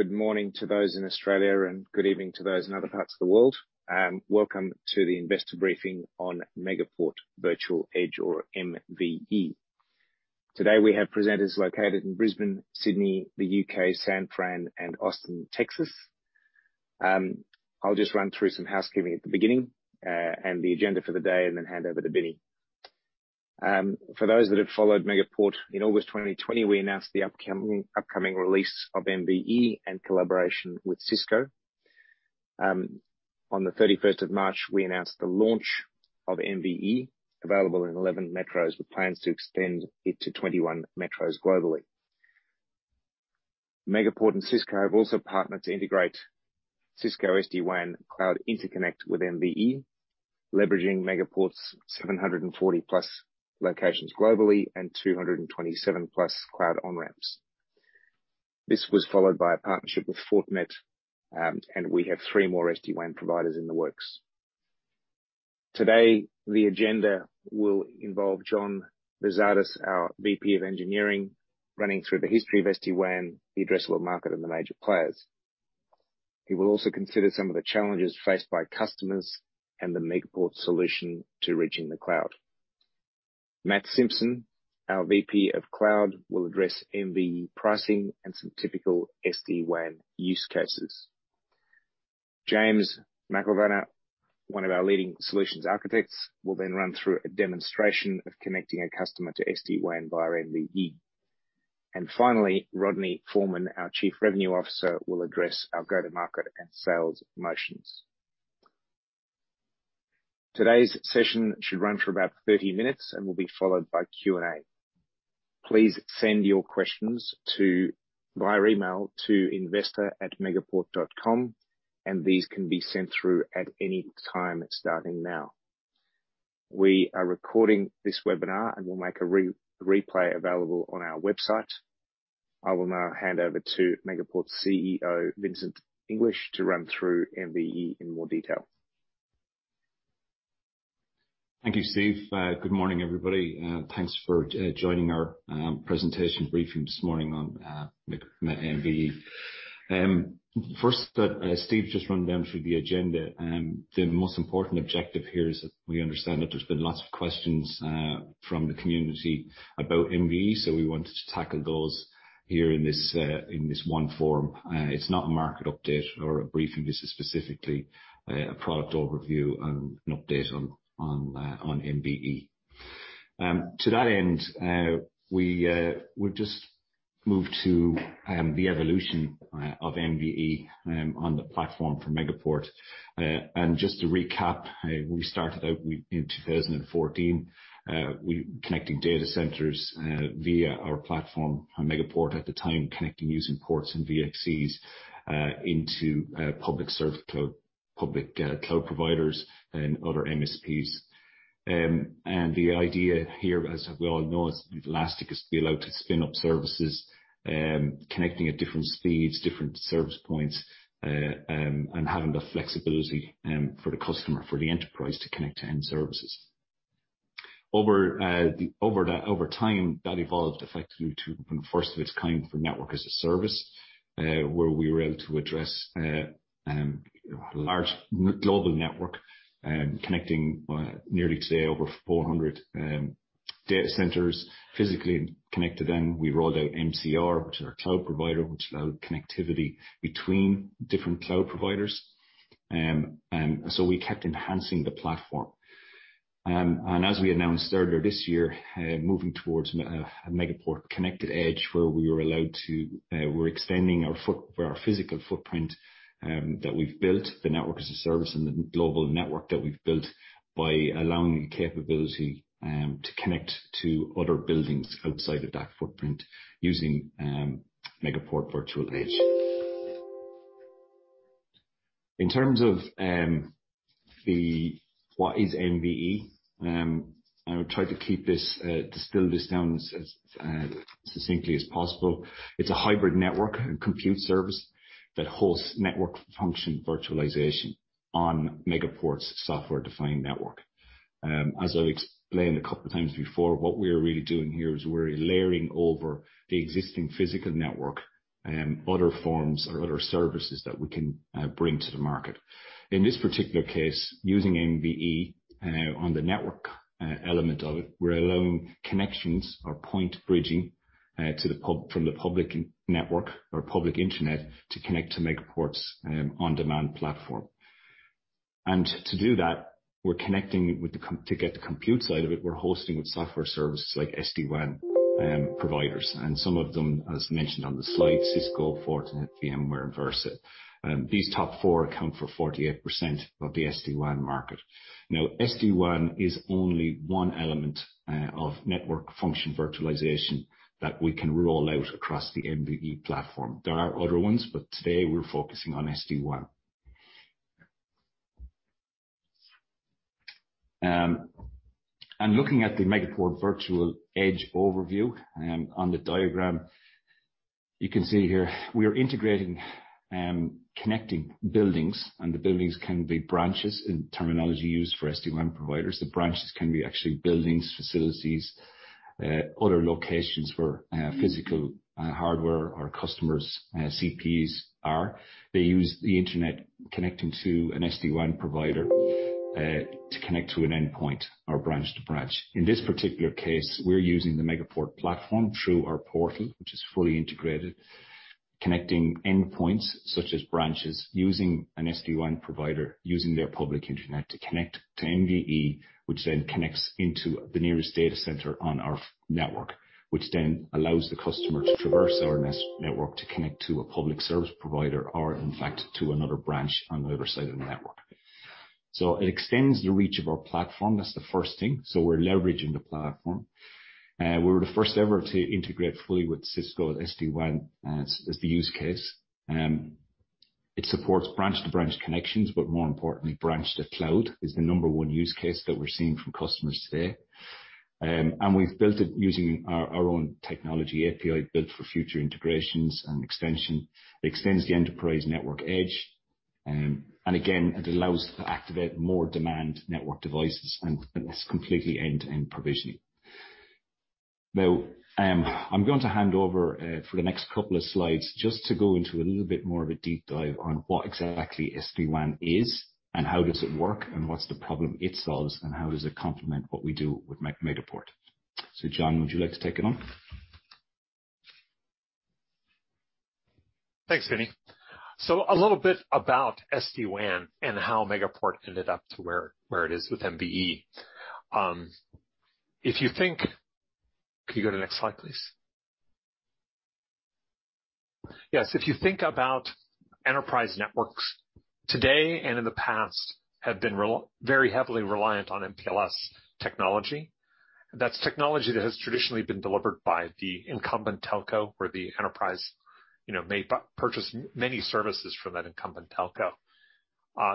Good morning to those in Australia and good evening to those in other parts of the world. Welcome to the investor briefing on Megaport Virtual Edge or MVE. Today, we have presenters located in Brisbane, Sydney, the U.K., San Fran and Austin, Texas. I will just run through some housekeeping at the beginning, and the agenda for the day, and then hand over to Vincent. For those that have followed Megaport, in August 2020, we announced the upcoming release of MVE in collaboration with Cisco. On the March 31, we announced the launch of MVE, available in 11 metros with plans to extend it to 21 metros globally. Megaport and Cisco have also partnered to integrate Cisco SD-WAN Cloud Interconnect with MVE, leveraging Megaport's 740+ locations globally and 227+ cloud on-ramps. This was followed by a partnership with Fortinet, and we have three more SD-WAN providers in the works. Today, the agenda will involve John Veizades, our VP of Engineering, running through the history of SD-WAN, the addressable market, and the major players. He will also consider some of the challenges faced by customers and the Megaport solution to reaching the cloud. Matt Simpson, our VP of Cloud, will address MVE pricing and some typical SD-WAN use cases. James McElvanna, one of our leading Solutions Architects, will then run through a demonstration of connecting a customer to SD-WAN via MVE. Finally, Rodney Foreman, our Chief Revenue Officer, will address our go-to-market and sales motions. Today's session should run for about 30 minutes and will be followed by Q&A. Please send your questions via email to investor@megaport.com. These can be sent through at any time starting now. We are recording this webinar and will make a replay available on our website. I will now hand over to Megaport's Chief Executive Officer, Vincent English, to run through MVE in more detail. Thank you, Steve. Good morning everybody? Thanks for joining our presentation briefing this morning on MVE. Steve just ran down through the agenda. The most important objective here is that we understand that there's been lots of questions from the community about MVE. We wanted to tackle those here in this one forum. It's not a market update or a briefing. This is specifically a product overview and an update on MVE. To that end, we'll just move to the evolution of MVE on the platform for Megaport. Just to recap, we started out in 2014, connecting data centers via our platform, Megaport at the time, connecting using ports and VXCs into public cloud providers and other MSPs. The idea here, as we all know, is elastic, is to be able to spin up services, connecting at different speeds, different service points, and having the flexibility for the customer, for the enterprise to connect to end services. Over time, that evolved effectively to the first of its kind for Network as a Service, where we were able to address a large global network connecting nearly today over 400 data centers physically connected in. We rolled out MCR, which is our cloud provider, which allowed connectivity between different cloud providers. We kept enhancing the platform. As we announced earlier this year, moving towards a Megaport Connected Edge where we're extending our physical footprint that we've built, the Network as a Service and the global network that we've built by allowing the capability to connect to other buildings outside of that footprint using Megaport Virtual Edge. In terms of what is MVE, I would try to keep this, to spill this down as succinctly as possible. It's a hybrid network and compute service that hosts Network Function Virtualization on Megaport's software-defined network. As I've explained a couple of times before, what we are really doing here is we're layering over the existing physical network, other forms or other services that we can bring to the market. In this particular case, using MVE on the network element of it, we're allowing connections or point bridging from the public network or public internet to connect to Megaport's on-demand platform. To do that, to get the compute side of it, we're hosting with software services like SD-WAN providers and some of them, as mentioned on the slide, Cisco, Fortinet, VMware, and Versa. These top four account for 48% of the SD-WAN market. SD-WAN is only one element of Network Function Virtualization that we can roll out across the MVE platform. There are other ones, but today we are focusing on SD-WAN. Looking at the Megaport Virtual Edge overview on the diagram, you can see here we are integrating connecting buildings, and the buildings can be branches in terminology used for SD-WAN providers. The branches can be actually buildings, facilities, other locations where physical hardware or customers CPEs are. They use the internet connecting to an SD-WAN provider to connect to an endpoint or branch to branch. In this particular case, we're using the Megaport platform through our portal, which is fully integrated, connecting endpoints such as branches using an SD-WAN provider using their public internet to connect to MVE, which then connects into the nearest data center on our network, which then allows the customer to traverse our network to connect to a public service provider or in fact, to another branch on the other side of the network. It extends the reach of our platform. That's the first thing. We're leveraging the platform. We're the first ever to integrate fully with Cisco SD-WAN as the use case. It supports branch-to-branch connections, but more importantly, branch to cloud is the number one use case that we're seeing from customers today. We've built it using our own technology API built for future integrations and extension. It extends the enterprise network edge. Again, it allows us to activate more demand network devices, and it's completely end-to-end provisioned. I'm going to hand over for the next couple of slides just to go into a little bit more of a deep dive on what exactly SD-WAN is and how does it work, and what's the problem it solves, and how does it complement what we do with Megaport. John, would you like to take it on? Thanks, Vincent. A little bit about SD-WAN and how Megaport ended up to where it is with MVE. Can you go to the next slide, please? If you think about enterprise networks today and in the past have been very heavily reliant on MPLS technology, and that's technology that has traditionally been delivered by the incumbent telco where the enterprise may purchase many services from that incumbent telco.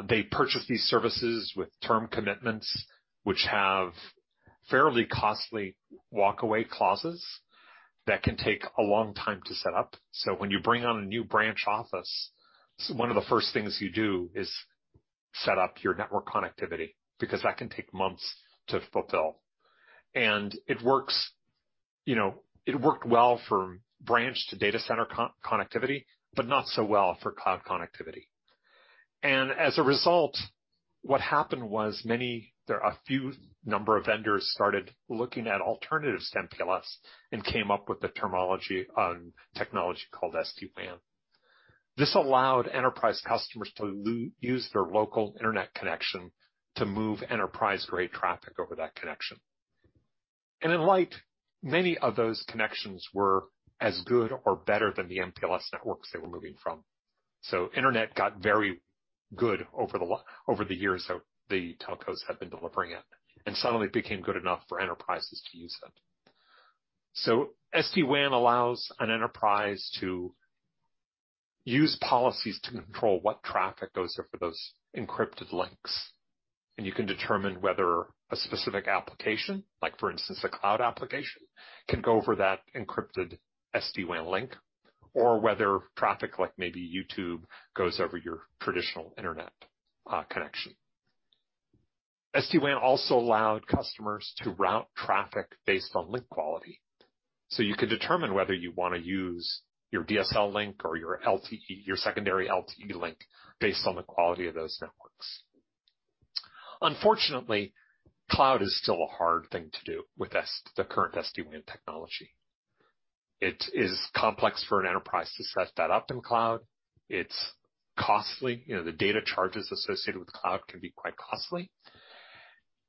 They purchase these services with term commitments, which have fairly costly walkaway clauses that can take a long time to set up. When you bring on a new branch office, one of the first things you do is set up your network connectivity, because that can take months to fulfill. It worked well for branch to data center connectivity, but not so well for cloud connectivity. As a result, what happened was a few number of vendors started looking at alternatives to MPLS and came up with a terminology on technology called SD-WAN. This allowed enterprise customers to use their local internet connection to move enterprise-grade traffic over that connection. In fact, many of those connections were as good or better than the MPLS networks they were moving from. The Internet got very good over the years that the telcos have been delivering it, and suddenly became good enough for enterprises to use them. SD-WAN allows an enterprise to use policies to control what traffic goes over those encrypted links, and you can determine whether a specific application, like for instance, a cloud application, can go over that encrypted SD-WAN link or whether traffic like maybe YouTube goes over your traditional internet connection. SD-WAN also allowed customers to route traffic based on link quality. You can determine whether you want to use your DSL link or your secondary LTE link based on the quality of those networks. Unfortunately, cloud is still a hard thing to do with the current SD-WAN technology. It is complex for an enterprise to set that up in cloud. It's costly. The data charges associated with cloud can be quite costly.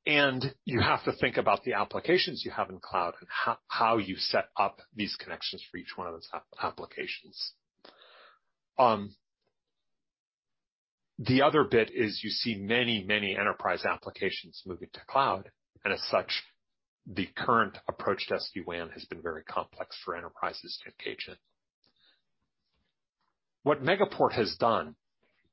You have to think about the applications you have in cloud and how you set up these connections for each one of those applications. The other bit is you see many, many enterprise applications moving to cloud, and as such, the current approach to SD-WAN has been very complex for enterprises to engage in. What Megaport has done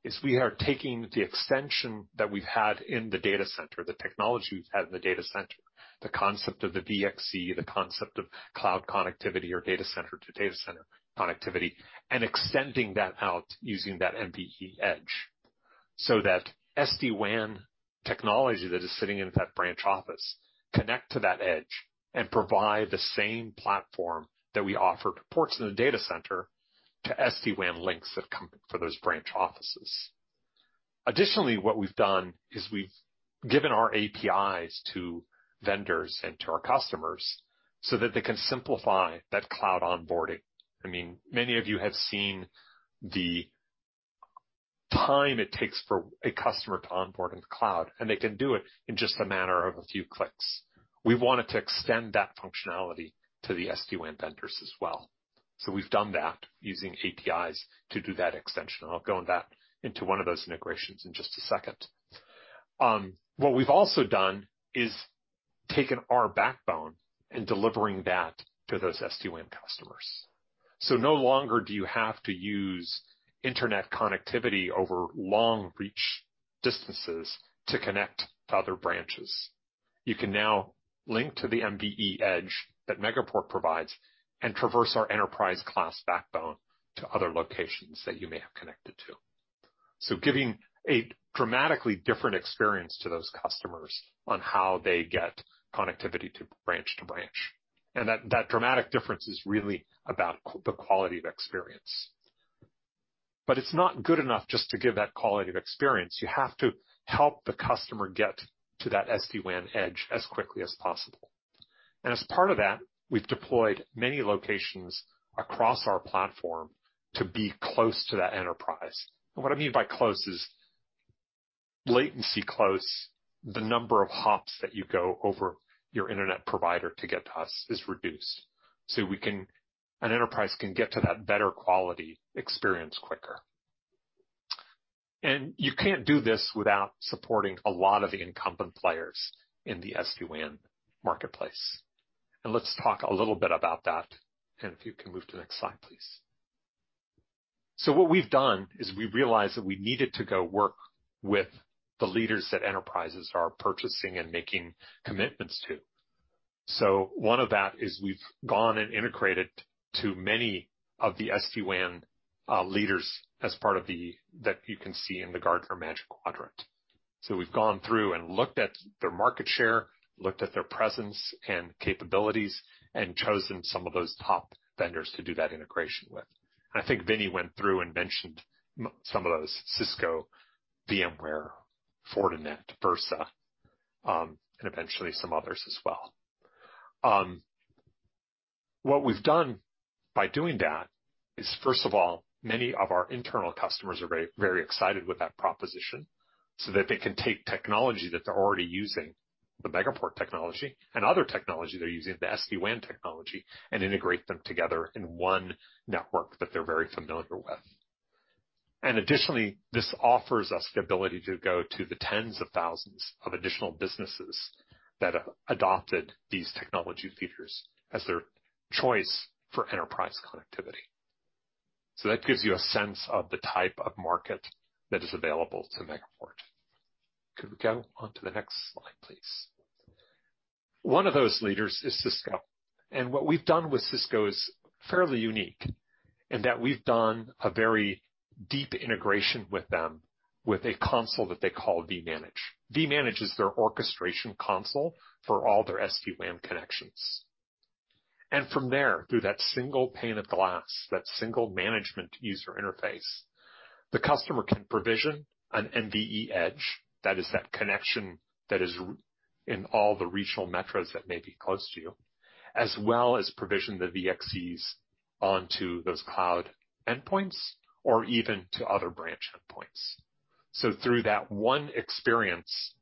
is we are taking the extension that we've had in the data center, the technology we've had in the data center, the concept of the VXC, the concept of cloud connectivity or data center to data center connectivity, and extending that out using that MVE edge so that SD-WAN technology that is sitting in that branch office connect to that edge and provide the same platform that we offer to ports in the data center to SD-WAN links that come for those branch offices. Additionally, what we've done is we've given our APIs to vendors and to our customers so that they can simplify that cloud onboarding. Many of you have seen the time it takes for a customer to onboard in the cloud, and they can do it in just a matter of a few clicks. We wanted to extend that functionality to the SD-WAN vendors as well. We've done that using APIs to do that extension, and I'll go into that into one of those integrations in just a second. What we've also done is taken our backbone and delivering that to those SD-WAN customers. No longer do you have to use internet connectivity over long-reach distances to connect to other branches. You can now link to the MVE edge that Megaport provides and traverse our enterprise-class backbone to other locations that you may have connected to. Giving a dramatically different experience to those customers on how they get connectivity to branch to branch. That dramatic difference is really about the quality of experience. It's not good enough just to give that quality of experience. You have to help the customer get to that SD-WAN edge as quickly as possible. As part of that, we've deployed many locations across our platform to be close to that enterprise. What I mean by close is latency close, the number of hops that you go over your internet provider to get to us is reduced. An enterprise can get to that better quality experience quicker. You can't do this without supporting a lot of the incumbent players in the SD-WAN marketplace. Let's talk a little bit about that. If you can move to the next slide, please. What we've done is we realized that we needed to go work with the leaders that enterprises are purchasing and making commitments to. One of that is we've gone and integrated to many of the SD-WAN leaders that you can see in the Gartner Magic Quadrant. We've gone through and looked at their market share, looked at their presence and capabilities, and chosen some of those top vendors to do that integration with. I think Vincent went through and mentioned some of those, Cisco, VMware, Fortinet, Versa, and eventually some others as well. What we've done by doing that is, first of all, many of our internal customers are very excited with that proposition, so that they can take technology that they're already using, the Megaport technology and other technology they're using, the SD-WAN technology, and integrate them together in one network that they're very familiar with. Additionally, this offers us the ability to go to the tens of thousands of additional businesses that have adopted these technology features as their choice for enterprise connectivity. That gives you a sense of the type of market that is available to Megaport. Could we go on to the next slide, please? One of those leaders is Cisco. What we've done with Cisco is fairly unique in that we've done a very deep integration with them with a console that they call vManage. vManage is their orchestration console for all their SD-WAN connections. From there, through that single pane of glass, that single management user interface, the customer can provision an MVE edge, that is that connection that is in all the regional metros that may be close to you, as well as provision the VXCs onto those cloud endpoints or even to other branch endpoints. Through that one experience,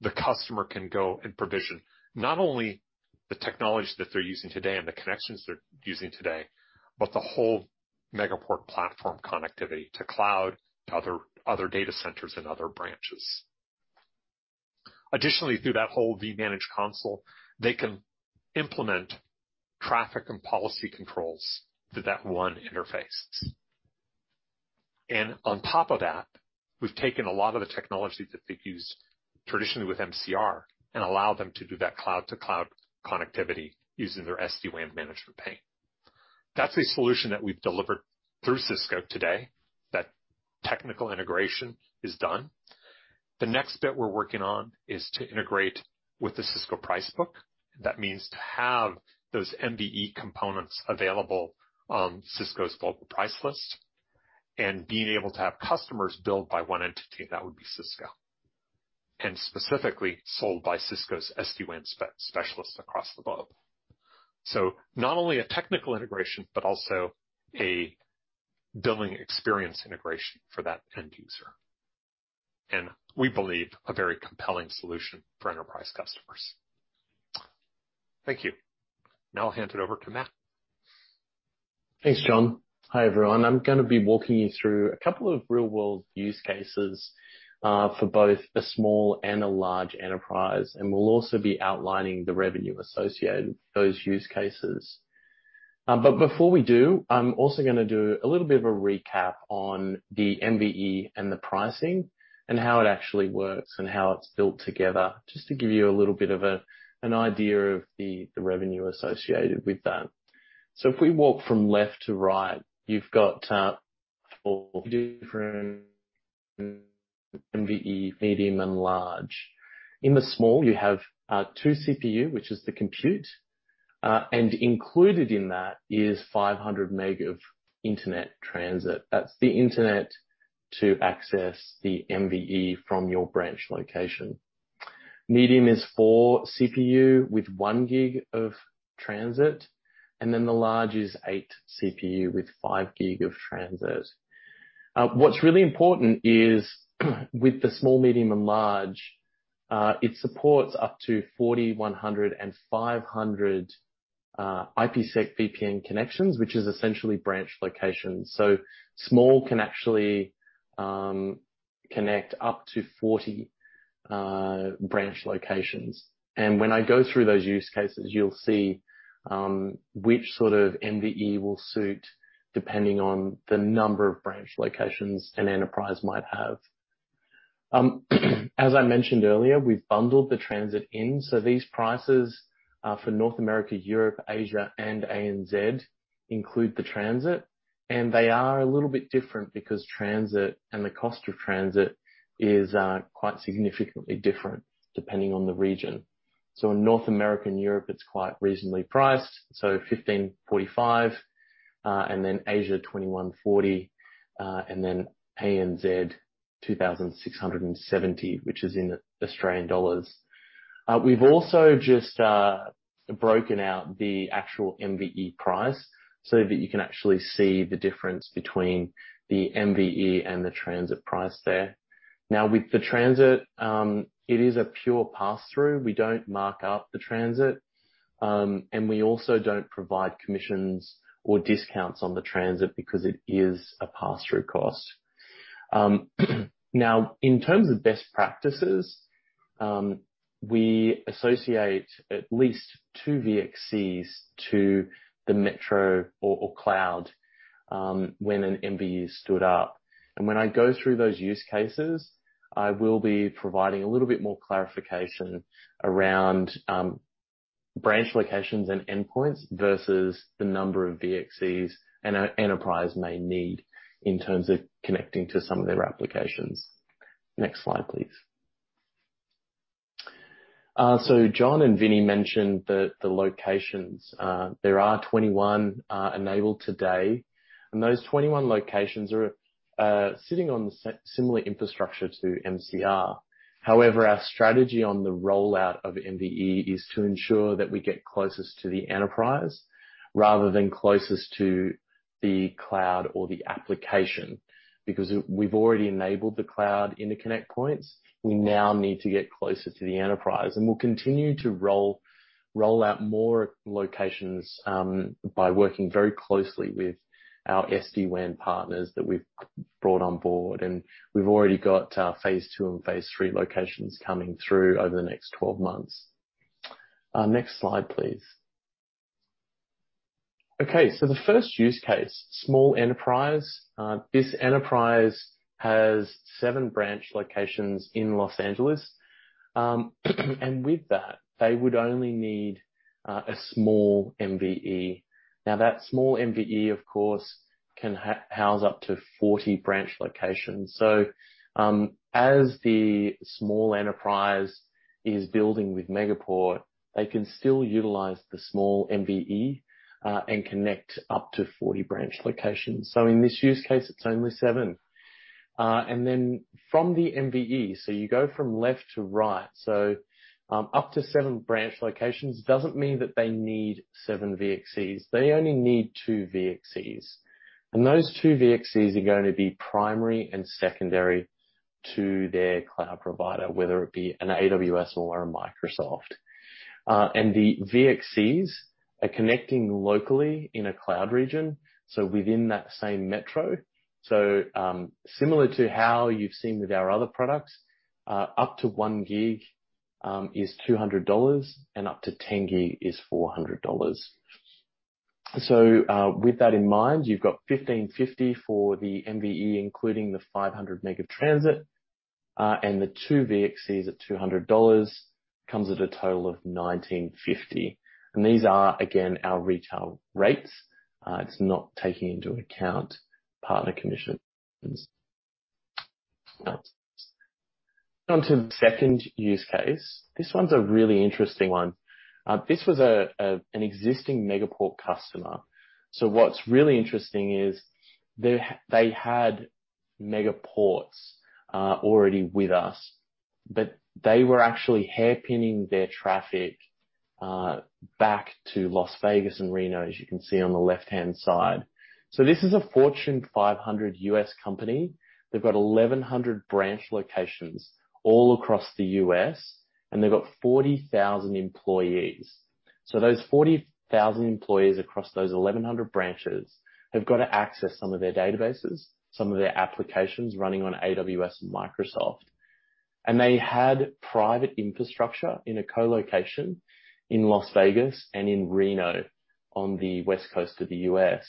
the customer can go and provision not only the technology that they're using today and the connections they're using today, but the whole Megaport platform connectivity to cloud, to other data centers and other branches. Additionally, through that whole Cisco vManage console, they can implement traffic and policy controls through that one interface. On top of that, we've taken a lot of the technology that they've used traditionally with MCR and allow them to do that cloud-to-cloud connectivity using their SD-WAN management pane. That's a solution that we've delivered through Cisco today, that technical integration is done. The next bit we're working on is to integrate with the Cisco Price book. That means to have those MVE components available on Cisco's Global Price List and being able to have customers billed by one entity, that would be Cisco, and specifically sold by Cisco's SD-WAN specialists across the globe. Not only a technical integration, but also a billing experience integration for that end user. We believe a very compelling solution for enterprise customers. Thank you. Now I'll hand it over to Matt. Thanks, John. Hi, everyone. I'm going to be walking you through a couple of real-world use cases for both a small and a large enterprise, and we'll also be outlining the revenue associated with those use cases. Before we do, I'm also going to do a little bit of a recap on the MVE and the pricing and how it actually works and how it's built together, just to give you a little bit of an idea of the revenue associated with that. If we walk from left to right, you've got four different MVE, medium, and large. In the small, you have two CPUs, which is the compute, and included in that is 500 Mb of internet transit. That's the internet to access the MVE from your branch location. Medium is four CPUs with 1 Gb of transit. The large is eight vCPUs with 5 Gb of transit. What's really important is with the small, medium, and large, it supports up to 4,100 and 500 IPsec VPN connections, which is essentially branch locations. Small can actually connect up to 40 branch locations. When I go through those use cases, you'll see which sort of MVE will suit depending on the number of branch locations an enterprise might have. As I mentioned earlier, we've bundled the transit in. These prices for North America, Europe, Asia, and ANZ include the transit, and they are a little bit different because transit and the cost of transit is quite significantly different depending on the region. In North America and Europe it's quite reasonably priced, $1,545, and then Asia $2,140, and then ANZ AUD 2,670. We've also just broken out the actual MVE price so that you can actually see the difference between the MVE and the transit price there. With the transit, it is a pure pass-through. We don't mark up the transit, and we also don't provide commissions or discounts on the transit because it is a pass-through cost. In terms of best practices, we associate at least two VXCs to the metro or cloud when an MVE is spun up. When I go through those use cases, I will be providing a little bit more clarification around branch locations and endpoints versus the number of VDCs an enterprise may need in terms of connecting to some of their applications. Next slide, please. John and Vincent mentioned the locations. There are 21 enabled today. Those 21 locations are sitting on similar infrastructure to MCR. However, our strategy on the rollout of MVE is to ensure that we get closest to the enterprise rather than closest to the cloud or the application. We've already enabled the cloud interconnect points, we now need to get closer to the enterprise. We'll continue to roll out more locations by working very closely with our SD-WAN partners that we've brought on board, and we've already got phase 2 and phase 3 locations coming through over the next 12 months. Next slide, please. Okay. The first use case, small enterprise. This enterprise has seven branch locations in L.A., and with that, they would only need a small MVE. Now that small MVE of course can house up to 40 branch locations. As the small enterprise is building with Megaport, they can still utilize the small MVE and connect up to 40 branch locations. In this use case, it's only seven. From the MVE, you go from left to right. Up to seven branch locations doesn't mean that they need seven VXCs. They only need two VXCs, and those two VXCs are going to be primary and secondary to their cloud provider, whether it be an AWS or a Microsoft. The VXCs are connecting locally in a cloud region, within that same metro. Similar to how you've seen with our other products, up to 1 Gb is $200 and up to 10 Gb is $400. With that in mind, you've got $1,550 for the MVE including the 500 mega transit, and the two VXCs at $200 comes at a total of $1,950. These are, again, our retail rates. It's not taking into account partner commissions. On to the second use case. This one's a really interesting one. This was an existing Megaport customer. What's really interesting is they had Megaports already with us, but they were actually hairpinning their traffic back to Las Vegas and Reno, as you can see on the left-hand side. This is a Fortune 500 U.S. company. They've got 1,100 branch locations all across the U.S., and they've got 40,000 employees. Those 40,000 employees across those 1,100 branches have got to access some of their databases, some of their applications running on AWS and Microsoft. They had private infrastructure in a co-location in Las Vegas and in Reno on the West Coast of the U.S.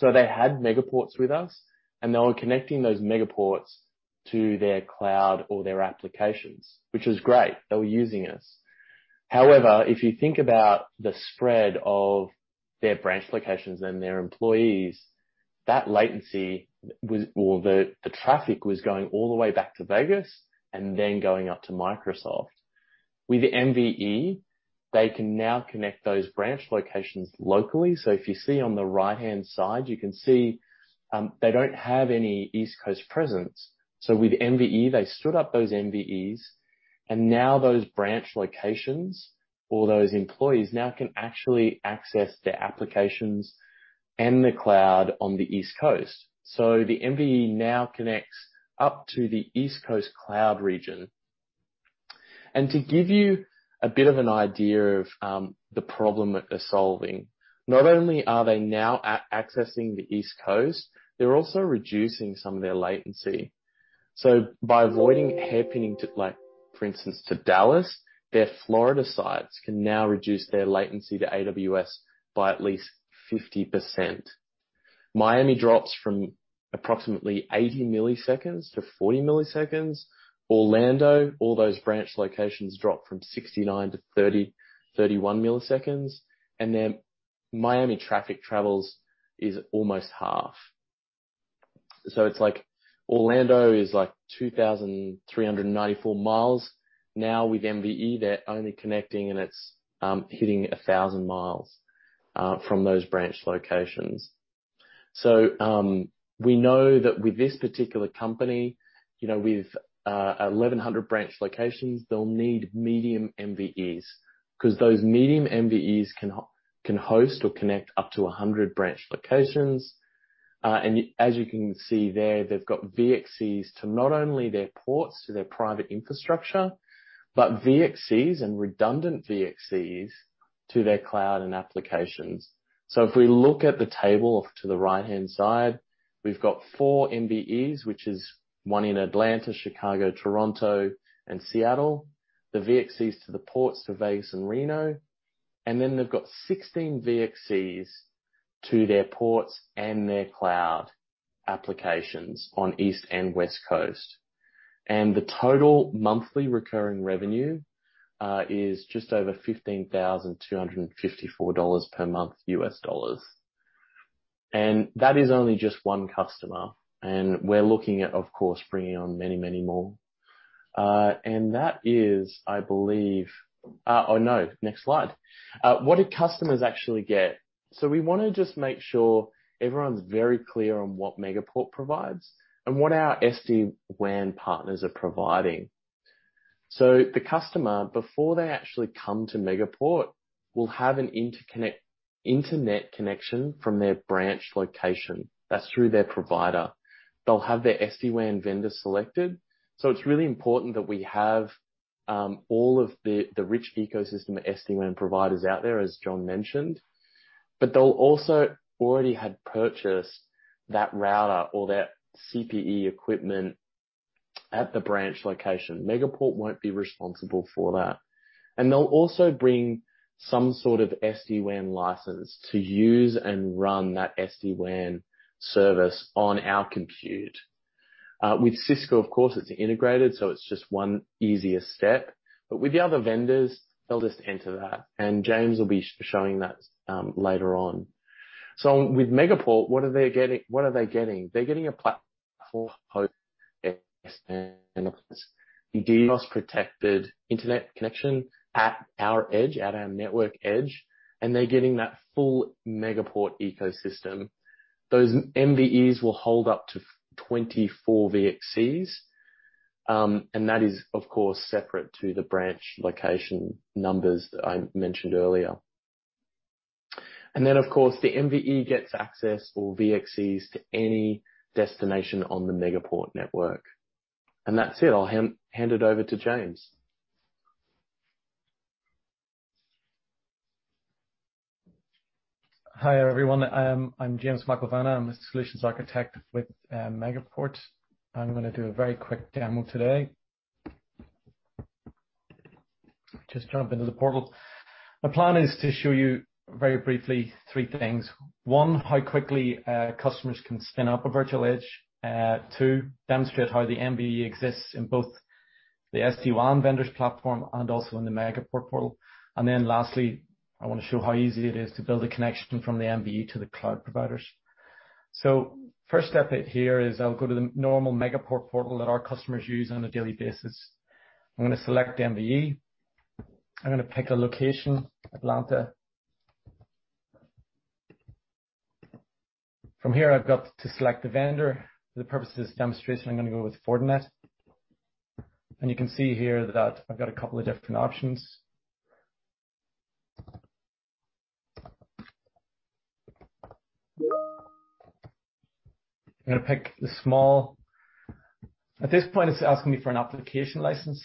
They had Megaport with us, and they were connecting those Megaport to their cloud or their applications, which is great. They were using us. However, if you think about the spread of their branch locations and their employees, that latency or the traffic was going all the way back to Vegas and then going up to Microsoft. With MVE, they can now connect those branch locations locally. If you see on the right-hand side, you can see they don't have any East Coast presence. With MVE, they stood up those MVEs, and now those branch locations or those employees now can actually access the applications and the cloud on the East Coast. The MVE now connects up to the East Coast cloud region. To give you a bit of an idea of the problem that they're solving, not only are they now accessing the East Coast, they're also reducing some of their latency. By avoiding hairpinning, for instance, to Dallas, their Florida sites can now reduce their latency to AWS by at least 50%. Miami drops from approximately 80 milliseconds to 40 milliseconds. Orlando, all those branch locations drop from 69 milliseconds to 30 milliseconds-31 milliseconds, and then Miami traffic travels is almost half. It's like Orlando is 2,394 mi. Now with MVE, they're only connecting, and it's hitting 1,000 mi from those branch locations. We know that with this particular company with 1,100 branch locations, they'll need medium MVEs because those medium MVEs can host or connect up to 100 branch locations. As you can see there, they've got VDCs to not only their ports, to their private infrastructure, but VDCs and redundant VDCs to their cloud and applications. If we look at the table off to the right-hand side, we've got four MVEs, which is one in Atlanta, Chicago, Toronto, and Seattle, the VDCs to the ports of Vegas and Reno. They've got 16 VDCs to their ports and their cloud applications on East and West Coast. The total monthly recurring revenue is just over $15,254 per month, US dollars. That is only just one customer. We're looking at, of course, bringing on many, many more. That is, I believe, oh, no, next slide. What do customers actually get? We want to just make sure everyone's very clear on what Megaport provides and what our SD-WAN partners are providing. The customer, before they actually come to Megaport, will have an internet connection from their branch location. That's through their provider. They'll have their SD-WAN vendor selected, it's really important that we have all of the rich ecosystem SD-WAN providers out there, as John mentioned. They'll also already have purchased that router or that CPE equipment at the branch location. Megaport won't be responsible for that. They'll also bring some sort of SD-WAN license to use and run that SD-WAN service on our compute. With Cisco, of course, it's integrated, so it's just one easier step. With the other vendors, they'll just enter that, and James will be showing that later on. With Megaport, what are they getting? They're getting a platform DDoS-protected internet connection at our edge, at our network edge, and they're getting that full Megaport ecosystem. Those MVEs will hold up to 24 VDCs. That is, of course, separate to the branch location numbers that I mentioned earlier. Of course, the MVE gets access or VDCs to any destination on the Megaport network. That's it. I'll hand it over to James. Hi, everyone. I'm James McElvanna. I'm a Solutions Architect with Megaport. I'm going to do a very quick demo today. Just jump into the portal. My plan is to show you very briefly three things. One, how quickly customers can spin up a virtual edge. Two, demonstrate how the MVE exists in both the SD-WAN vendor's platform and also in the Megaport portal. Lastly, I want to show how easy it is to build a connection from the MVE to the cloud providers. First step here is I'll go to the normal Megaport portal that our customers use on a daily basis. I'm going to select MVE. I'm going to pick a location, Atlanta. From here, I've got to select the vendor. For the purpose of this demonstration, I'm going to go with Fortinet. You can see here that I've got a couple of different options. I'm going to pick the small. At this point, it is asking me for an application license.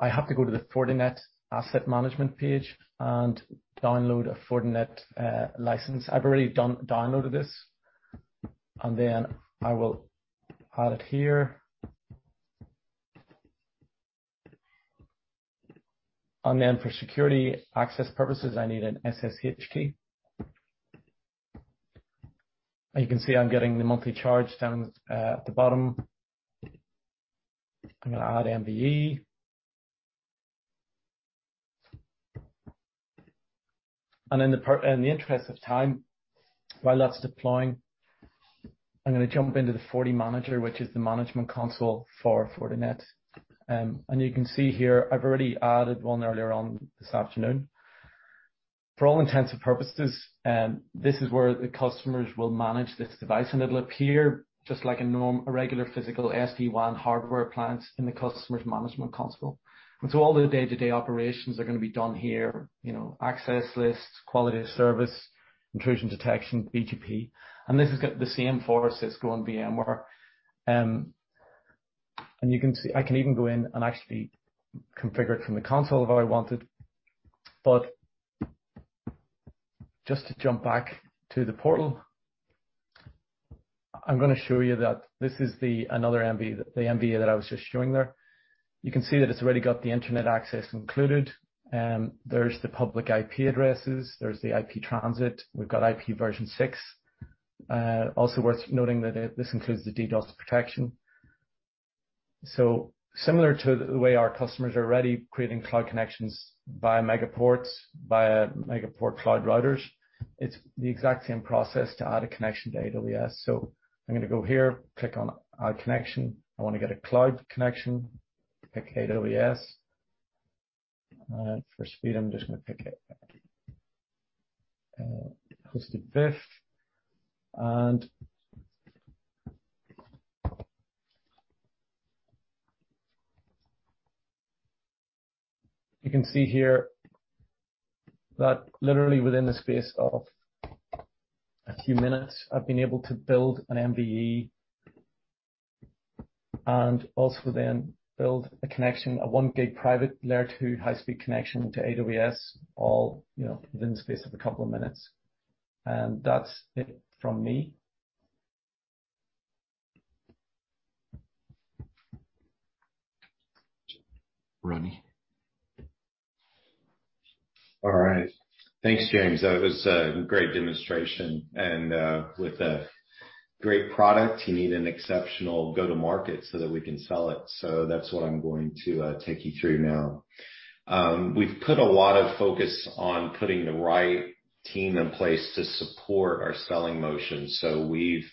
I have to go to the Fortinet Asset Management page and download a Fortinet license. I've already downloaded this, I will add it here. For security access purposes, I need an SSH key. You can see I'm getting the monthly charge down at the bottom. I'm going to add MVE. In the interest of time, while that's deploying, I'm going to jump into the FortiManager, which is the management console for Fortinet. You can see here, I've already added one earlier on this afternoon. For all intents and purposes, this is where the customers will manage this device, and it will appear just like a regular physical SD-WAN hardware appliance in the customer's management console. All the day-to-day operations are going to be done here, access lists, quality of service. Intrusion detection, BGP. This has got the same for Cisco and VMware. I can even go in and actually configure it from the console if I wanted. Just to jump back to the portal, I'm going to show you that this is another MVE, the MVE that I was just showing there. You can see that it's already got the internet access included. There's the public IP addresses, there's the IP transit. We've got IP version six. Also worth noting that this includes the DDoS protection. Similar to the way our customers are already creating cloud connections via Megaport Cloud Routers, it's the exact same process to add a connection to AWS. I'm going to go here, click on Add Connection. I want to get a cloud connection. Pick AWS. For speed, I'm just going to pick hosted VIF and you can see here that literally within the space of a few minutes, I've been able to build an MVE and also then build a connection, a one gig private Layer 2 high-speed connection to AWS all within the space of a couple of minutes. That's it from me. All right. Thanks, James. That was a great demonstration and with a great product, you need an exceptional go-to-market so that we can sell it. That's what I'm going to take you through now. We've put a lot of focus on putting the right team in place to support our selling motion. We've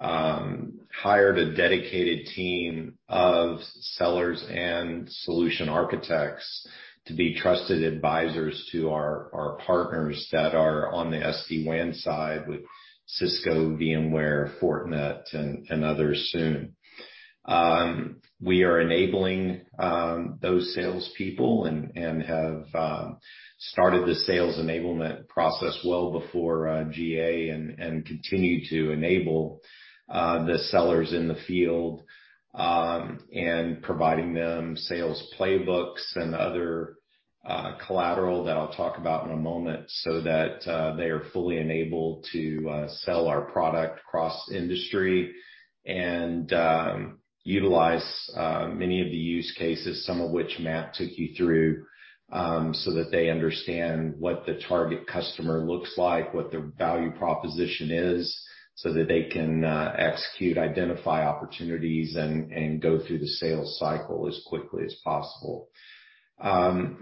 hired a dedicated team of sellers and solution architects to be trusted advisors to our partners that are on the SD-WAN side with Cisco, VMware, Fortinet, and others soon. We are enabling those salespeople and have started the sales enablement process well before GA and continue to enable the sellers in the field, and providing them sales playbooks and other collateral that I will talk about in a moment so that they are fully enabled to sell our product across the industry and utilize many of the use cases, some of which Matt took you through, so that they understand what the target customer looks like, what their value proposition is, so that they can execute, identify opportunities, and go through the sales cycle as quickly as possible.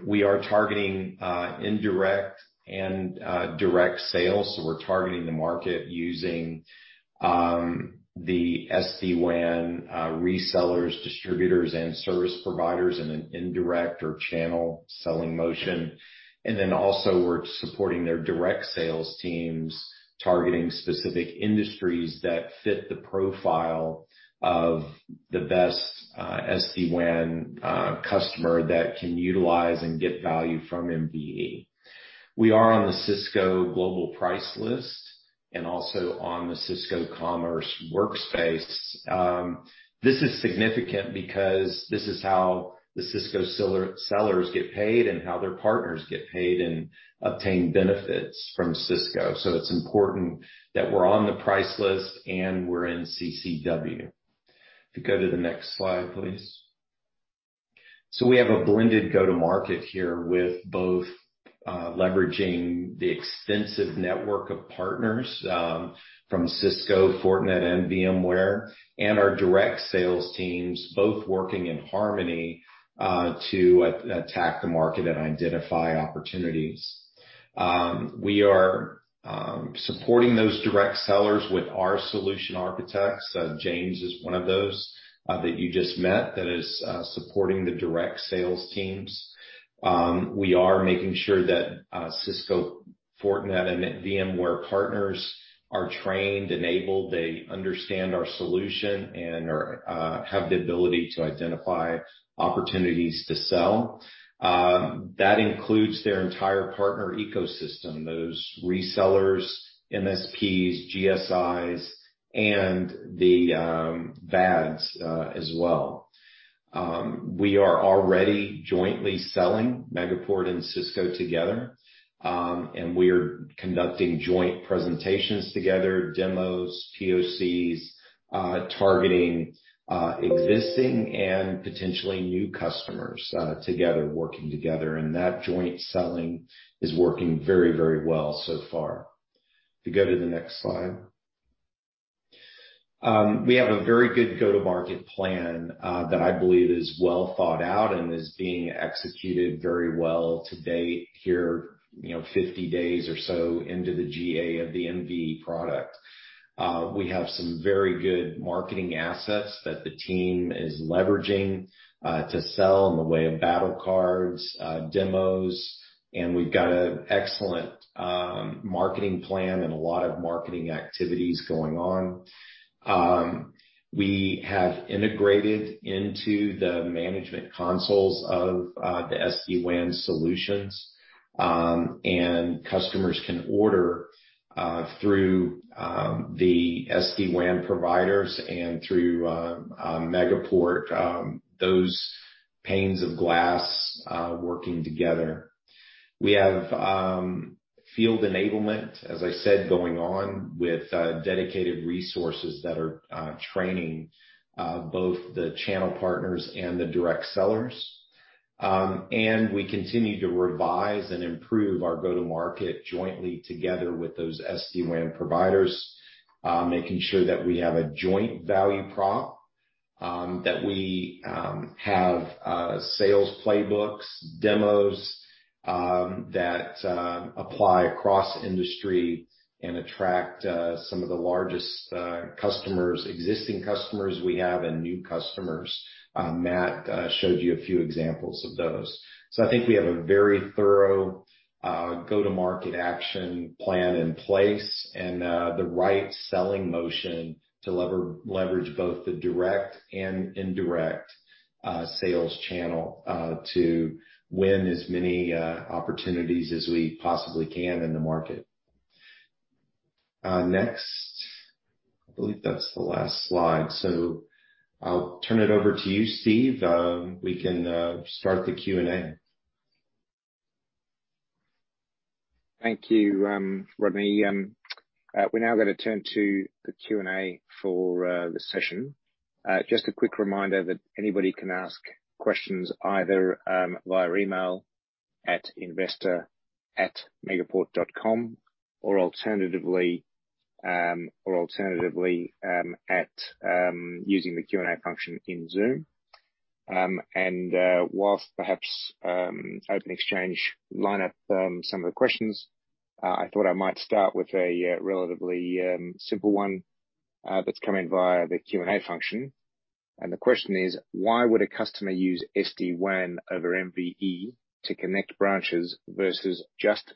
We are targeting indirect and direct sales, so we are targeting the market using the SD-WAN resellers, distributors, and service providers in an indirect or channel selling motion. Also we're supporting their direct sales teams, targeting specific industries that fit the profile of the best SD-WAN customer that can utilize and get value from MVE. We are on the Cisco Global Price List and also on the Cisco Commerce Workspace. This is significant because this is how the Cisco sellers get paid and how their partners get paid and obtain benefits from Cisco. It's important that we're on the price list and we're in CCW. If you go to the next slide, please. We have a blended go-to-market here with both leveraging the extensive network of partners from Cisco, Fortinet, and VMware, and our direct sales teams both working in harmony to attack the market and identify opportunities. We are supporting those direct sellers with our solution architects. James is one of those that you just met that is supporting the direct sales teams. We are making sure that Cisco, Fortinet, and VMware partners are trained, enabled, they understand our solution, and have the ability to identify opportunities to sell. That includes their entire partner ecosystem, those resellers, MSPs, GSIs and the VADs as well. We are already jointly selling Megaport and Cisco together. We are conducting joint presentations together, demos, POCs, targeting existing and potentially new customers together, working together and that joint selling is working very well so far. If you go to the next slide. We have a very good go-to-market plan that I believe is well thought out and is being executed very well to date here 50 days or so into the GA of the MVE product. We have some very good marketing assets that the team is leveraging to sell in the way of battle cards, demos, and we've got an excellent marketing plan and a lot of marketing activities going on. We have integrated into the management consoles of the SD-WAN solutions, and customers can order through the SD-WAN providers and through Megaport, those panes of glass working together. We have Field enablement, as I said, going on with dedicated resources that are training both the channel partners and the direct sellers. We continue to revise and improve our go-to-market jointly together with those SD-WAN providers, making sure that we have a joint value prop, that we have sales playbooks, demos that apply across industry and attract some of the largest existing customers we have and new customers. Matt showed you a few examples of those. I think we have a very thorough go-to-market action plan in place and the right selling motion to leverage both the direct and indirect sales channel to win as many opportunities as we possibly can in the market. Next. I believe that's the last slide. I'll turn it over to you, Steve. We can start the Q&A. Thank you, Rodney. We're now going to turn to the Q&A for the session. Just a quick reminder that anybody can ask questions either via email at investor@megaport.com or alternatively using the Q&A function in Zoom. Whilst perhaps OpenExchange line up some of the questions, I thought I might start with a relatively simple one that's come in via the Q&A function. The question is: why would a customer use SD-WAN over MVE to connect branches versus just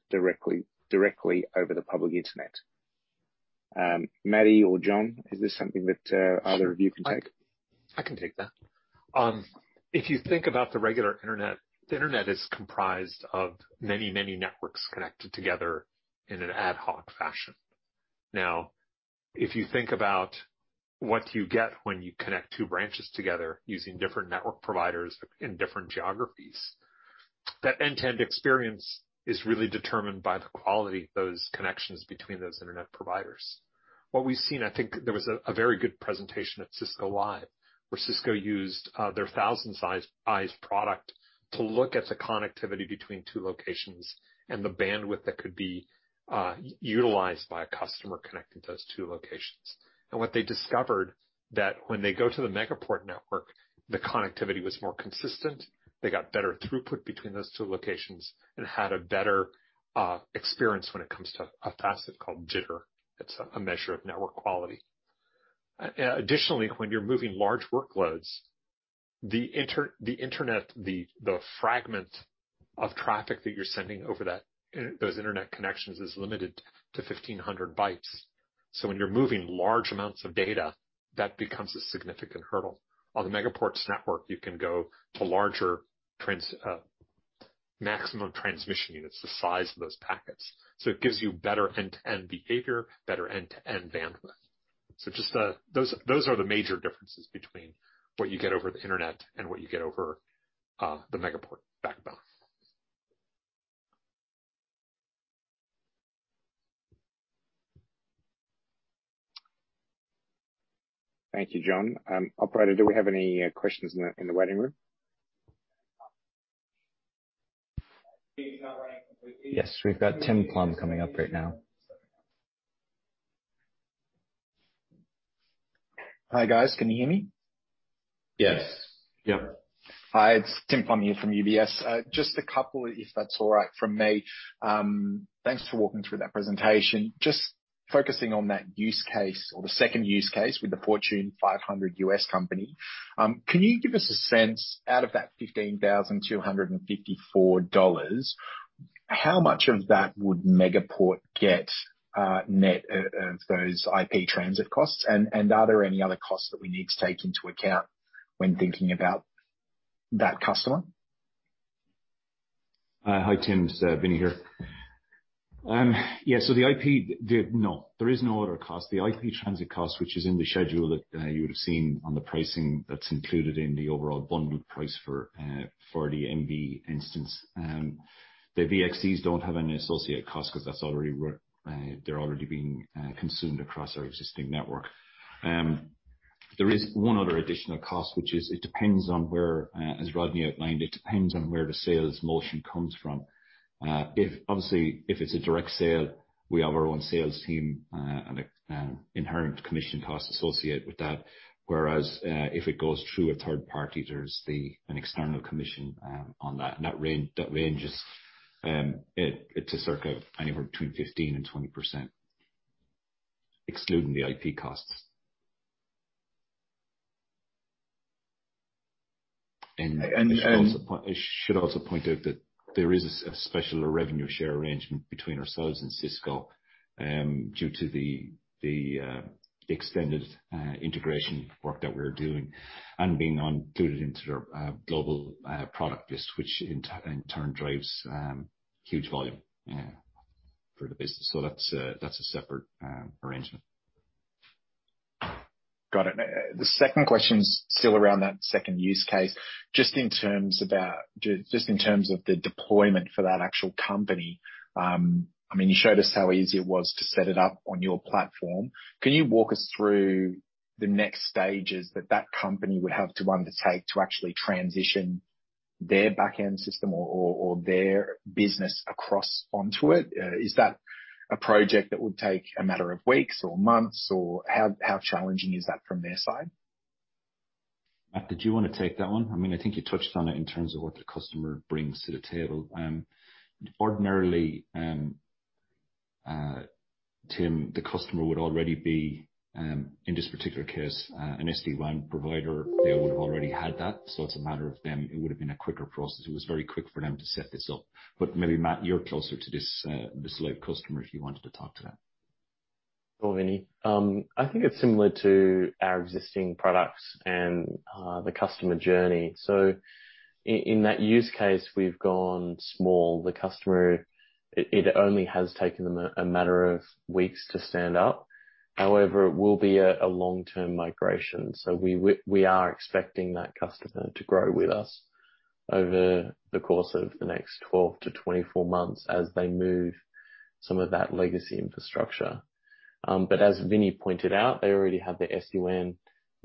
directly over the public internet? Matt or John, is this something that either of you can take? I can take that. If you think about the regular internet, the internet is comprised of many networks connected together in an ad hoc fashion. Now, if you think about what you get when you connect two branches together using different network providers in different geographies, that end-to-end experience is really determined by the quality of those connections between those internet providers. What we've seen, I think there was a very good presentation at Cisco Live, where Cisco used their ThousandEyes product to look at the connectivity between two locations and the bandwidth that could be utilized by a customer connecting those two locations. What they discovered, that when they go to the Megaport network, the connectivity was more consistent, they got better throughput between those two locations and had a better experience when it comes to a facet called Jitter. It's a measure of network quality. Additionally, when you're moving large workloads, the internet, the fragment of traffic that you're sending over those internet connections is limited to 1,500 bytes. When you're moving large amounts of data, that becomes a significant hurdle. On Megaport's network, you can go to larger Maximum Transmission Units, the size of those packets. It gives you better end-to-end behavior, better end-to-end bandwidth. Those are the major differences between what you get over the internet and what you get over the Megaport backbone. Thank you, John. Operator, do we have any questions in the waiting room? Yes. We've got Tim Plumbe coming up right now. Hi, guys. Can you hear me? Yes. Yep. Hi, it's Tim Plumbe here from UBS. Just a couple, if that's all right, from me. Thanks for walking through that presentation. Just focusing on that use case or the second use case with the Fortune 500 U.S. company. Can you give us a sense, out of that $15,254, how much of that would Megaport get net of those IP transit costs? Are there any other costs that we need to take into account when thinking about that customer? Hi, Tim. It's Vincent here. Yeah. No, there is no other cost. The IP transit cost, which is in the schedule that you would've seen on the pricing that's included in the overall bundled price for the MVE instance. The VDCs don't have any associated cost because they're already being consumed across our existing network. There is one other additional cost. As Rodney outlined, it depends on where the sales motion comes from. Obviously, if it's a direct sale, we have our own sales team and an inherent commission cost associated with that, whereas if it goes through a third party, there's an external commission on that. That range is anywhere between 15% and 20%, excluding the IP costs. I should also point out that there is a special revenue share arrangement between ourselves and Cisco due to the extended integration work that we're doing and being included into their Cisco Global Price List, which in turn drives huge volume for the business. That's a separate arrangement. Got it. The second question is still around that second use case, just in terms of the deployment for that actual company. You showed us how easy it was to set it up on your platform. Can you walk us through the next stages that that company would have to undertake to actually transition their back-end system or their business across onto it? Is that a project that would take a matter of weeks or months, or how challenging is that from their side? Matt, did you want to take that one? I think you touched on it in terms of what the customer brings to the table. Ordinarily, Tim, the customer would already be, in this particular case, an SD-WAN provider. They would've already had that, so it's a matter of them, it would've been a quicker process. It was very quick for them to set this up. Maybe, Matt, you're closer to this lead customer if you wanted to talk to that. Sure, Vincent. I think it's similar to our existing products and the customer journey. In that use case, we've gone small. The customer, it only has taken them a matter of weeks to stand up. It will be a long-term migration. We are expecting that customer to grow with us over the course of the next 12 months-24 months as they move some of that legacy infrastructure. As Vincent pointed out, they already have the SD-WAN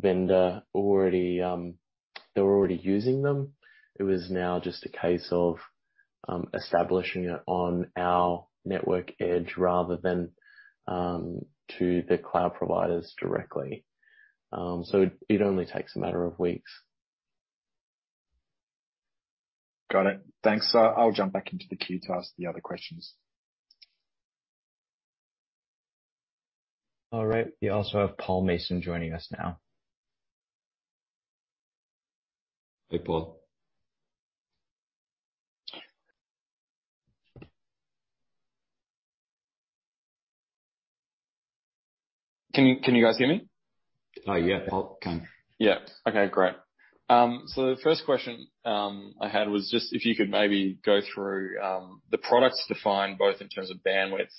vendor, they were already using them. It was now just a case of establishing it on our network edge rather than to the cloud providers directly. It only takes a matter of weeks. Got it. Thanks. I'll jump back into the queue to ask the other questions. All right. We also have Paul Mason joining us now. Hey, Paul? Can you guys hear me? Oh, yeah. Paul can. Yeah. Okay, great. The first question I had was just if you could maybe go through the products defined, both in terms of bandwidth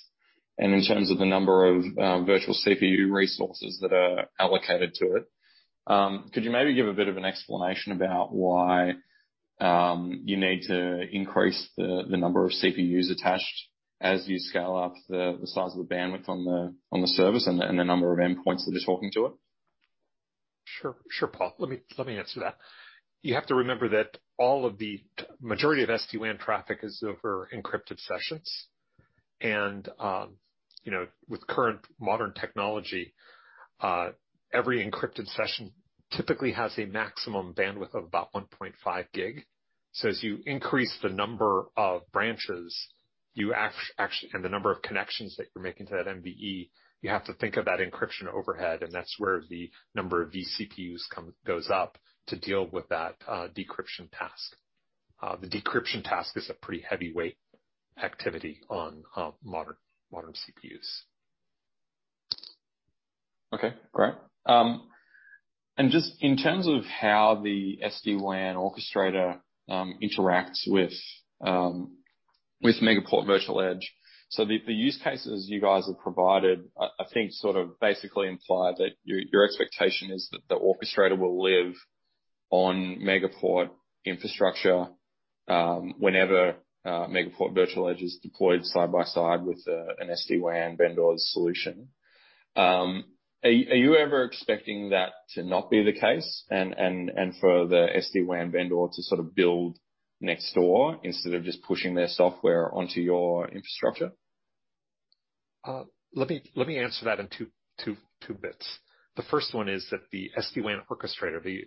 and in terms of the number of virtual CPU resources that are allocated to it. Could you maybe give a bit of an explanation about why you need to increase the number of CPUs attached as you scale up the size of the bandwidth on the service and the number of endpoints that are talking to it? Sure, Paul. Let me answer that. You have to remember that all of the majority of SD-WAN traffic is over encrypted sessions. With current modern technology, every encrypted session typically has a maximum bandwidth of about 1.5 gig. As you increase the number of branches, you and the number of connections that you're making to that MVE, you have to think about encryption overhead, and that's where the number of vCPUs goes up to deal with that decryption task. The decryption task is a pretty heavyweight activity on modern CPUs. Okay, great. Just in terms of how the SD-WAN orchestrator interacts with Megaport Virtual Edge, so the use cases you guys have provided, I think sort of basically imply that your expectation is that the orchestrator will live on Megaport infrastructure, whenever Megaport Virtual Edge is deployed side by side with an SD-WAN vendor’s solution. Are you ever expecting that to not be the case and for the SD-WAN vendor to sort of build next door instead of just pushing their software onto your infrastructure? Let me answer that in two bits. The first one is that the SD-WAN orchestrator, the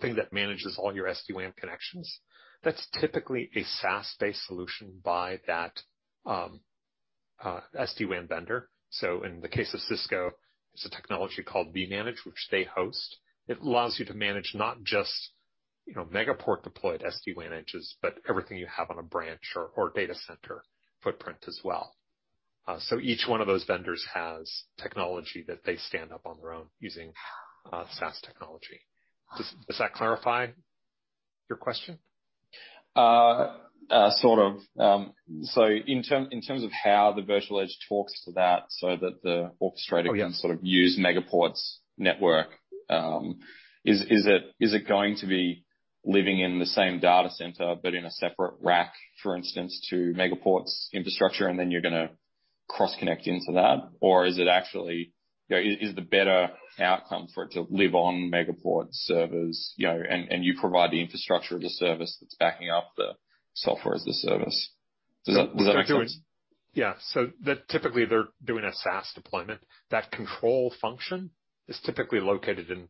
thing that manages all your SD-WAN connections, that's typically a SaaS-based solution by that SD-WAN vendor. In the case of Cisco, it's a technology called vManage, which they host. It allows you to manage not just Megaport deployed SD-WAN edges, but everything you have on a branch or data center footprint as well. Each one of those vendors has technology that they stand up on their own using SaaS technology. Does that clarify your question? Sort of. In terms of how the virtual edge talks to that, so that the orchestrator can sort of use Megaport's network, is it going to be living in the same data center but in a separate rack, for instance, to Megaport's infrastructure, and then you're going to cross-connect into that? Is it actually, is the better outcome for it to live on Megaport's servers, and you provide the Infrastructure as a Service that's backing up the Software as a Service? Does that make sense? Yeah. Typically, they're doing a SaaS deployment. That control function is typically located in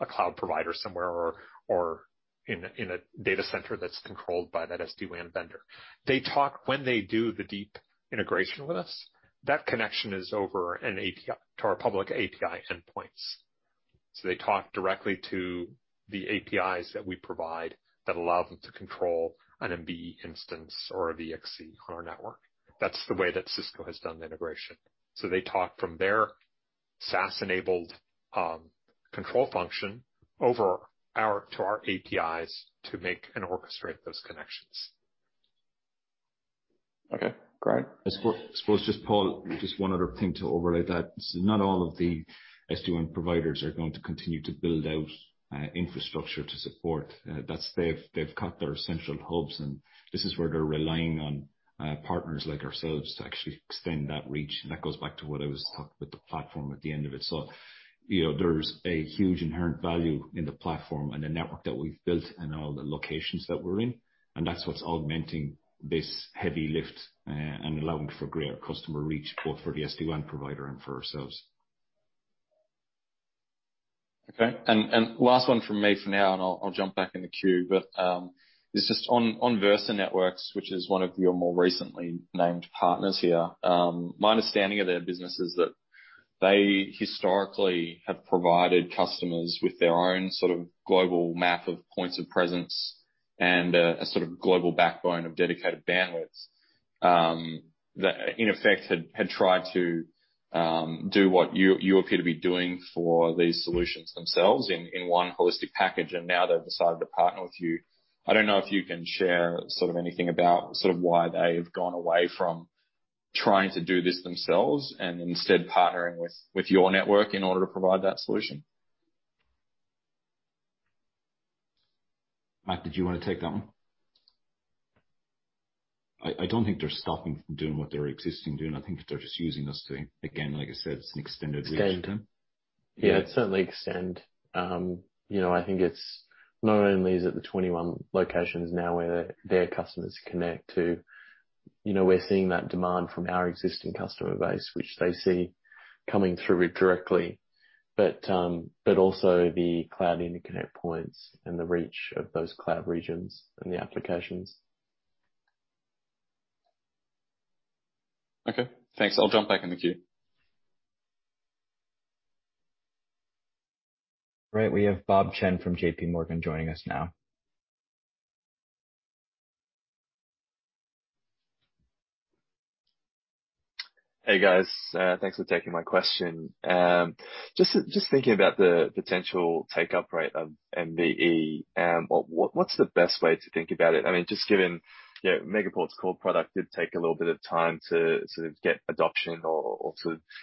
a cloud provider somewhere or in a data center that's controlled by that SD-WAN vendor. They talk when they do the deep integration with us, that connection is over to our public API endpoints. They talk directly to the APIs that we provide that allow them to control an MVE instance or a VXC on our network. That's the way that Cisco has done the integration. They talk from their SaaS-enabled control function over to our APIs to make and orchestrate those connections. Okay, great. I suppose just, Paul, just one other thing to overlay that is not all of the SD-WAN providers are going to continue to build out infrastructure to support. They've got their central hubs. This is where they're relying on partners like ourselves to actually extend that reach. That goes back to what I was talking about the platform at the end of it. There's a huge inherent value in the platform and the network that we've built and all the locations that we're in, and that's what's augmenting this heavy lift and allowing for greater customer reach, both for the SD-WAN provider and for ourselves. Okay. Last one from me for now, and I'll jump back in the queue. Just on Versa Networks, which is one of your more recently named partners here. My understanding of their business is that they historically have provided customers with their own sort of global map of points of presence and a sort of global backbone of dedicated bandwidth, that in effect had tried to do what you're going to be doing for these solutions themselves in one holistic package, and now they've decided to partner with you. I don't know if you can share anything about why they've gone away from trying to do this themselves and instead partnering with your network in order to provide that solution. Matt, did you want to take that one? I don't think they're stopping from doing what they're existing doing. I think they're just using us to, again, like I said, it's an extended reach. Extend. Yeah, it's certainly extend. I think it's not only is it the 21 locations now where their customers connect to. We're seeing that demand from our existing customer base, which they see coming through directly. Also the cloud interconnect points and the reach of those cloud regions and the applications. Okay, thanks. I'll jump back in the queue. Great. We have Bob Chen from JPMorgan joining us now. Hey, guys? Thanks for taking my question. Just thinking about the potential take-up rate of MVE, what's the best way to think about it? Just given Megaport's core product did take a little bit of time to sort of get adoption or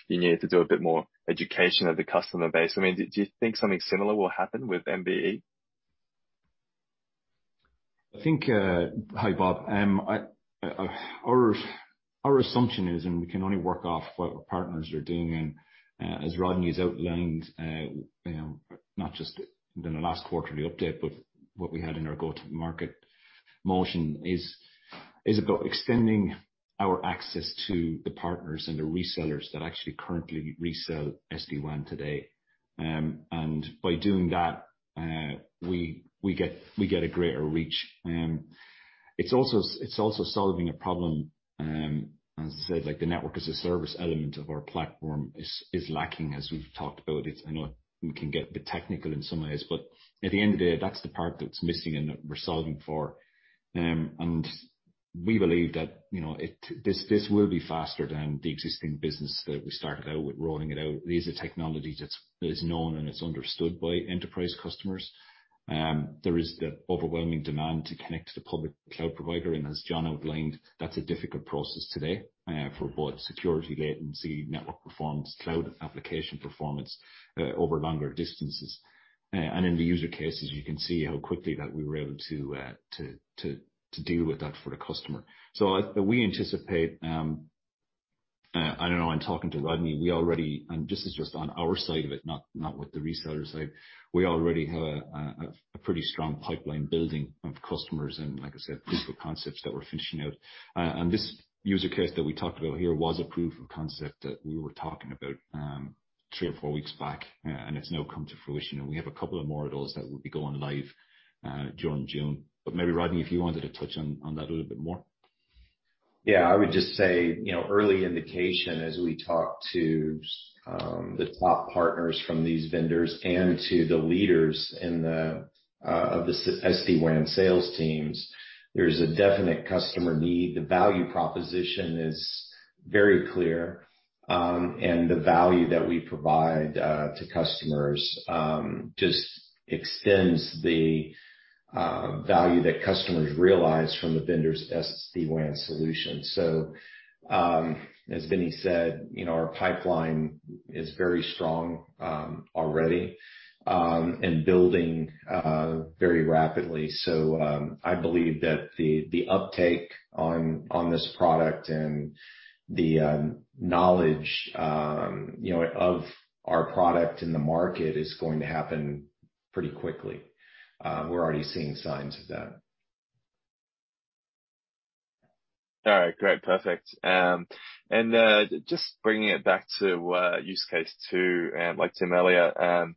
you needed to do a bit more education of the customer base, do you think something similar will happen with MVE? Hi, Bob? Our assumption is, and we can only work off what our partners are doing, and as Rodney has outlined, not just in the last quarterly update, but what we had in our go-to-market motion is about extending our access to the partners and the resellers that actually currently resell SD-WAN today. By doing that, we get a greater reach. It is also solving a problem, as I said, like the Network as a Service element of our platform is lacking as we've talked. I know we can get a bit technical in some of this, but at the end of the day, that is the part that is missing and that we are solving for. We believe that this will be faster than the existing business that we started out with rolling it out. It is a technology that is known and it is understood by enterprise customers. There is the overwhelming demand to connect to public cloud provider, and as John outlined, that's a difficult process today for both security latency, network performance, cloud application performance over longer distances. In the use cases, you can see how quickly that we were able to deal with that for the customer. We anticipate, and I know I'm talking to Rodney, and this is just on our side of it, not with the reseller side. We already have a pretty strong pipeline building of customers and like I said, proof of concepts that we're finishing out. This use case that we talked about here was a proof of concept that we were talking about three or four weeks back, and it's now come to fruition, and we have a couple of more of those that will be going live during June. Maybe, Rodney, if you wanted to touch on that a little bit more. I would just say, early indication as we talk to the top partners from these vendors and to the leaders of the SD-WAN sales teams, there's a definite customer need. The value proposition is very clear, and the value that we provide to customers just extends the value that customers realize from the vendor's SD-WAN solution. As Vincent said, our pipeline is very strong already, and building very rapidly. I believe that the uptake on this product and the knowledge of our product in the market is going to happen pretty quickly. We're already seeing signs of that. All right, great. Perfect. Just bringing it back to use case two, like Tim earlier,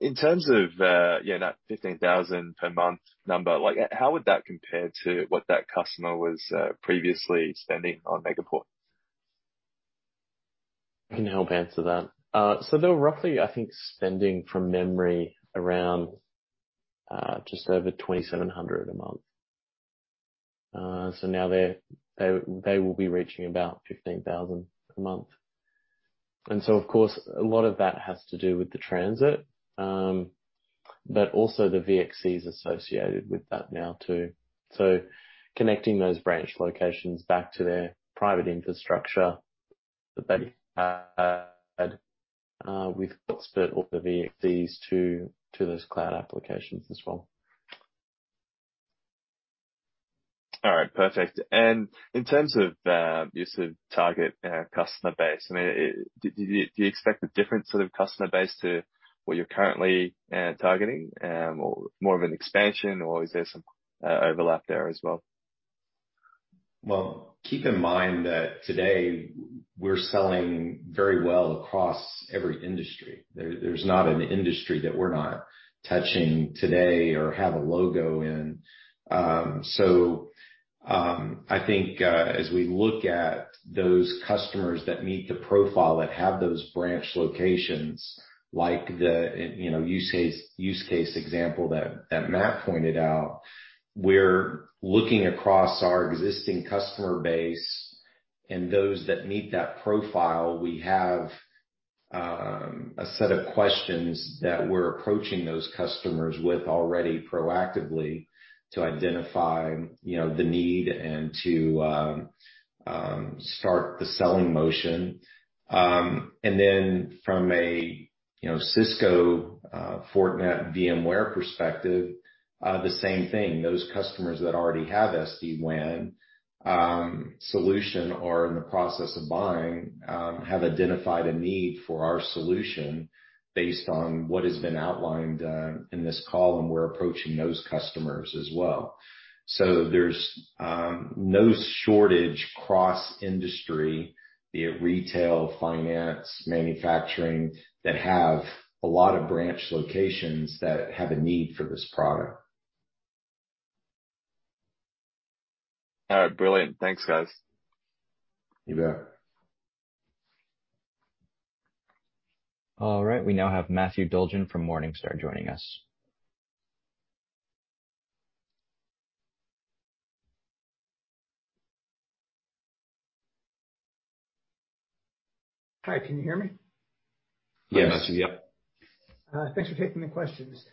in terms of that $15,000 per month number, how would that compare to what that customer was previously spending on Megaport? I can help answer that. They were roughly, I think, spending from memory around just over $2,700 a month. Now they will be reaching about $15,000 a month. Of course, a lot of that has to do with the transit, but also the VXCs associated with that now too. Connecting those branch locations back to their private infrastructure that they had with spun up VXCs to those cloud applications as well. All right, perfect. In terms of your target customer base, do you expect a different sort of customer base to what you're currently targeting? Or more of an expansion, or is there some overlap there as well? Well, keep in mind that today we're selling very well across every industry. There's not an industry that we're not touching today or have a logo in. I think as we look at those customers that meet the profile that have those branch locations, like the use case example that Matt pointed out, we're looking across our existing customer base and those that meet that profile, we have a set of questions that we're approaching those customers with already proactively to identify the need and to start the selling motion. From a Cisco, Fortinet, VMware perspective, the same thing. Those customers that already have SD-WAN solution or are in the process of buying have identified a need for our solution based on what has been outlined in this call, and we're approaching those customers as well. There's no shortage cross-industry, be it retail, finance, manufacturing, that have a lot of branch locations that have a need for this product. All right, brilliant. Thanks, guys. You bet. All right. We now have Matthew Dolgin from Morningstar joining us. Hi, can you hear me? Yes. Yes. Thanks for taking the questions.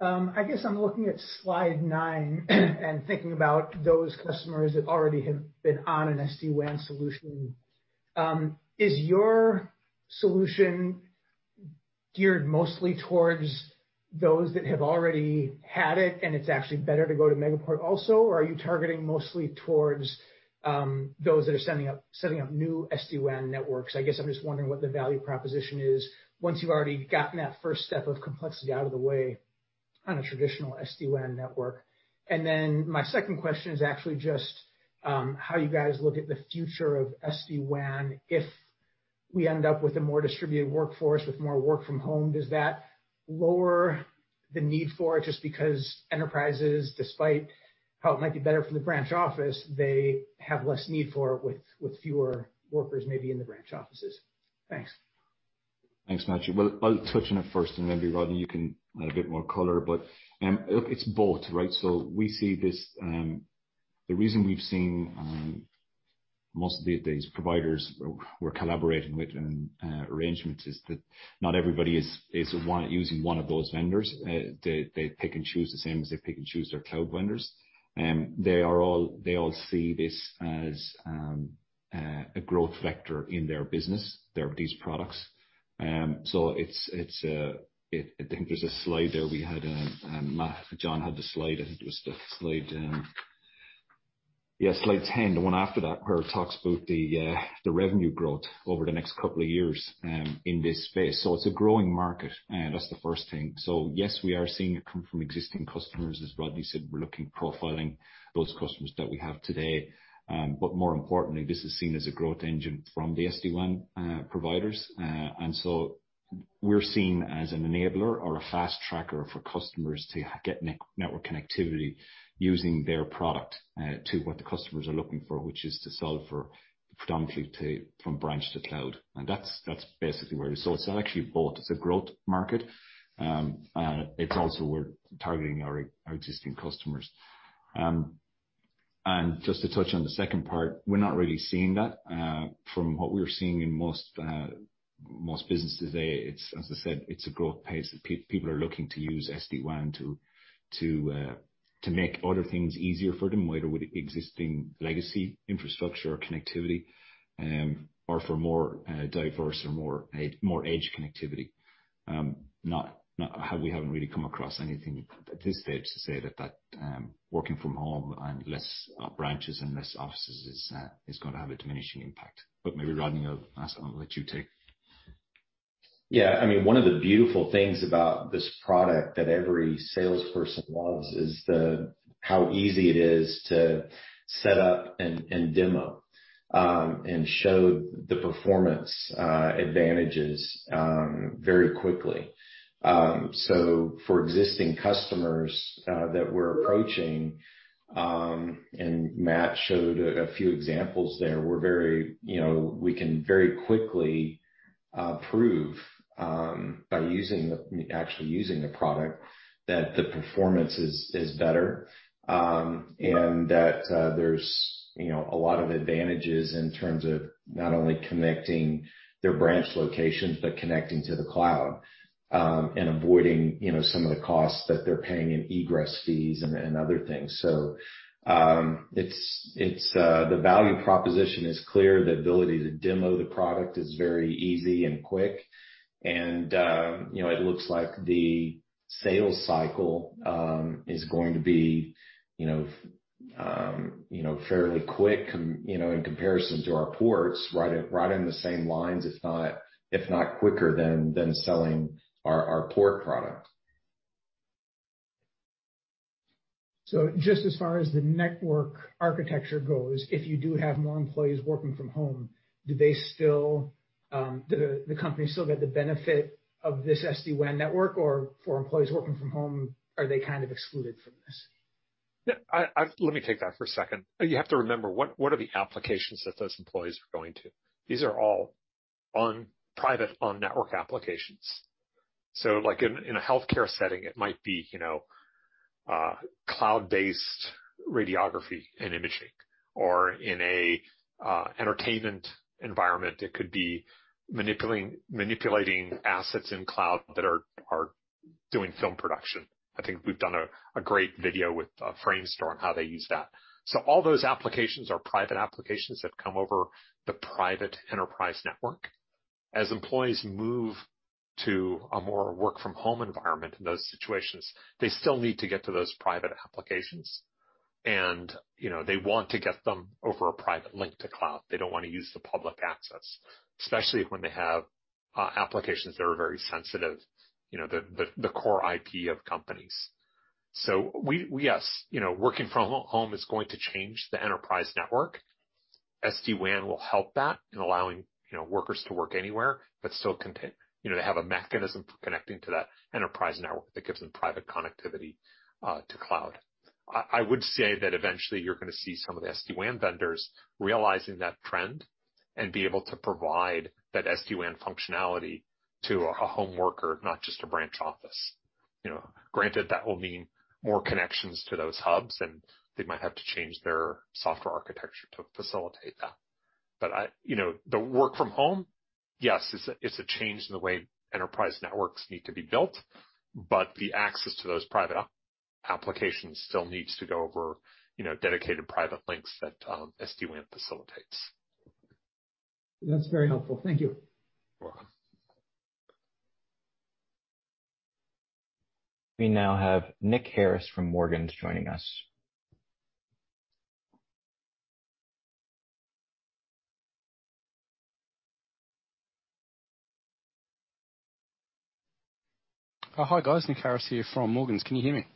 I guess I'm looking at slide nine and thinking about those customers that already have been on an SD-WAN solution. Is your solution geared mostly towards those that have already had it and it's actually better to go to Megaport also? Or are you targeting mostly towards those that are setting up new SD-WAN networks? I guess I'm just wondering what the value proposition is once you've already gotten that first step of complexity out of the way on a traditional SD-WAN network. My second question is actually just how you guys look at the future of SD-WAN if we end up with a more distributed workforce with more work from home. Does that lower the need for it just because enterprises, despite how it might be better for the branch office, they have less need for it with fewer workers maybe in the branch offices? Thanks. Thanks, Matthew. I'll touch on it first, and maybe, Rodney, you can add a bit more color, but look, it's both, right? The reason we've seen most of these providers we're collaborating with in arrangements is that not everybody is using one of those vendors. They pick and choose the same as they pick and choose their cloud vendors. They all see this as a growth vector in their business, these products. I think there's a slide there we had, and Matt, John had the slide. I think it was slide, yeah, slide 10, the one after that, where it talks about the revenue growth over the next couple of years in this space. It's a growing market. That's the first thing. Yes, we are seeing it come from existing customers as well. As you said, we're looking at profiling those customers that we have today. More importantly, this is seen as a growth engine from the SD-WAN providers. We're seen as an enabler or a fast tracker for customers to get network connectivity using their product to what the customers are looking for, which is to solve for predominantly from branch to cloud. That's basically where it is. It's actually both. It's a growth market, and it's also we're targeting our existing customers. Just to touch on the second part, we're not really seeing that. From what we're seeing in most businesses today, it's as I said, it's a growth pace that people are looking to use SD-WAN to make other things easier for them, whether with existing legacy infrastructure or connectivity or for more diverse or more edge connectivity. We haven't really come across anything at this stage to say that working from home and less branches and less offices is going to have a diminishing impact. Maybe, Rodney, I'll let you take. Yeah. One of the beautiful things about this product that every salesperson loves is how easy it is to set up and demo and show the performance advantages very quickly. For existing customers that we're approaching, and Matt showed a few examples there, we can very quickly prove by actually using the product that the performance is better, and that there's a lot of advantages in terms of not only connecting their branch locations, but connecting to the cloud, and avoiding some of the costs that they're paying in egress fees and other things. The value proposition is clear. The ability to demo the product is very easy and quick, and it looks like the sales cycle, is going to be fairly quick, in comparison to our ports, right in the same lines, if not quicker than selling our port product. Just as far as the network architecture goes, if you do have more employees working from home, do the company still get the benefit of this SD-WAN network or for employees working from home, are they kind of excluded from this? Let me take that for a second. You have to remember, what are the applications that those employees are going to? These are all private on-network applications. Like in a healthcare setting, it might be cloud-based radiography and imaging, or in a entertainment environment, it could be manipulating assets in cloud that are doing film production. I think we've done a great video with Framestore on how they use that. All those applications are private applications that come over the private enterprise network. As employees move to a more work-from-home environment in those situations, they still need to get to those private applications, and they want to get them over a private link to cloud. They don't want to use the public access, especially when they have applications that are very sensitive, the core IP of companies. yes, working from home is going to change the enterprise network. SD-WAN will help that in allowing workers to work anywhere, but still have a mechanism for connecting to that enterprise network that gives them private connectivity to cloud. I would say that eventually you're going to see some of the SD-WAN vendors realizing that trend and be able to provide that SD-WAN functionality to a home worker, not just a branch office. Granted, that will mean more connections to those hubs and they might have to change their software architecture to facilitate that. the work from home, yes, it's a change in the way enterprise networks need to be built, but the access to those private applications still needs to go over dedicated private links that SD-WAN facilitates. That's very helpful. Thank you. You're welcome. We now have Nick Harris from Morgans joining us. Oh, hi, guys. Nick Harris here from Morgans. Can you hear me?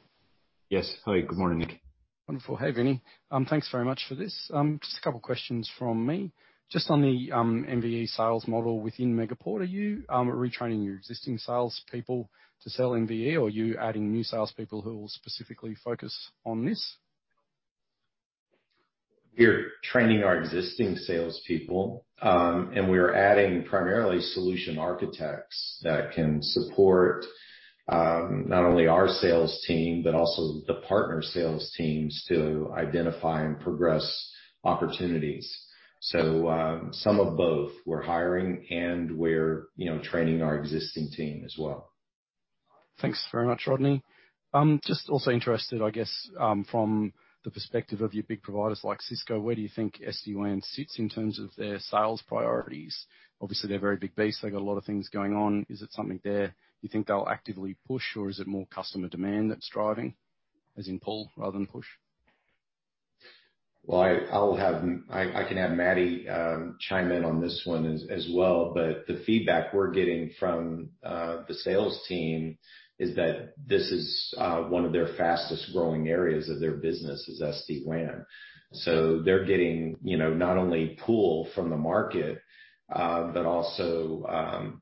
Yes. Hey, good morning, Nick? Wonderful. Hey, Vinnie. Thanks very much for this. Just a couple questions from me. Just on the MVE sales model within Megaport, are you retraining your existing salespeople to sell MVE, or are you adding new salespeople who will specifically focus on this? We're training our existing salespeople, and we're adding primarily solution architects that can support, not only our sales team, but also the partner sales teams to identify and progress opportunities. Some of both. We're hiring and we're training our existing team as well. Thanks very much, Rodney. Just also interested, I guess, from the perspective of your big providers like Cisco, where do you think SD-WAN sits in terms of their sales priorities? Obviously, they're very big beast. They've got a lot of things going on. Is it something there you think they'll actively push, or is it more customer demand that's driving as in pull rather than push? Well, I can have Mattie chime in on this one as well, but the feedback we're getting from the sales team is that this is one of their fastest-growing areas of their business is SD-WAN. They're getting not only pull from the market, but also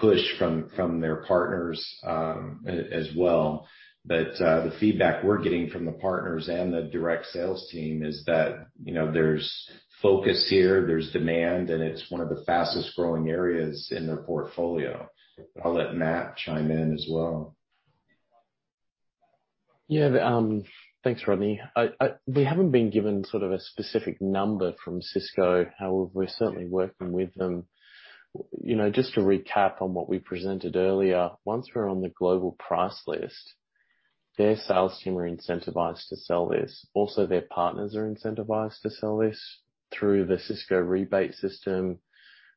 push from their partners as well. The feedback we're getting from the partners and the direct sales team is that there's focus here, there's demand, and it's one of the fastest-growing areas in their portfolio. I'll let Matt chime in as well. Yeah. Thanks, Rodney. We haven't been given sort of a specific number from Cisco. However, we're certainly working with them. Just to recap on what we presented earlier, once we're on the global price list, their sales team are incentivized to sell this. Also, their partners are incentivized to sell this through the Cisco rebate system,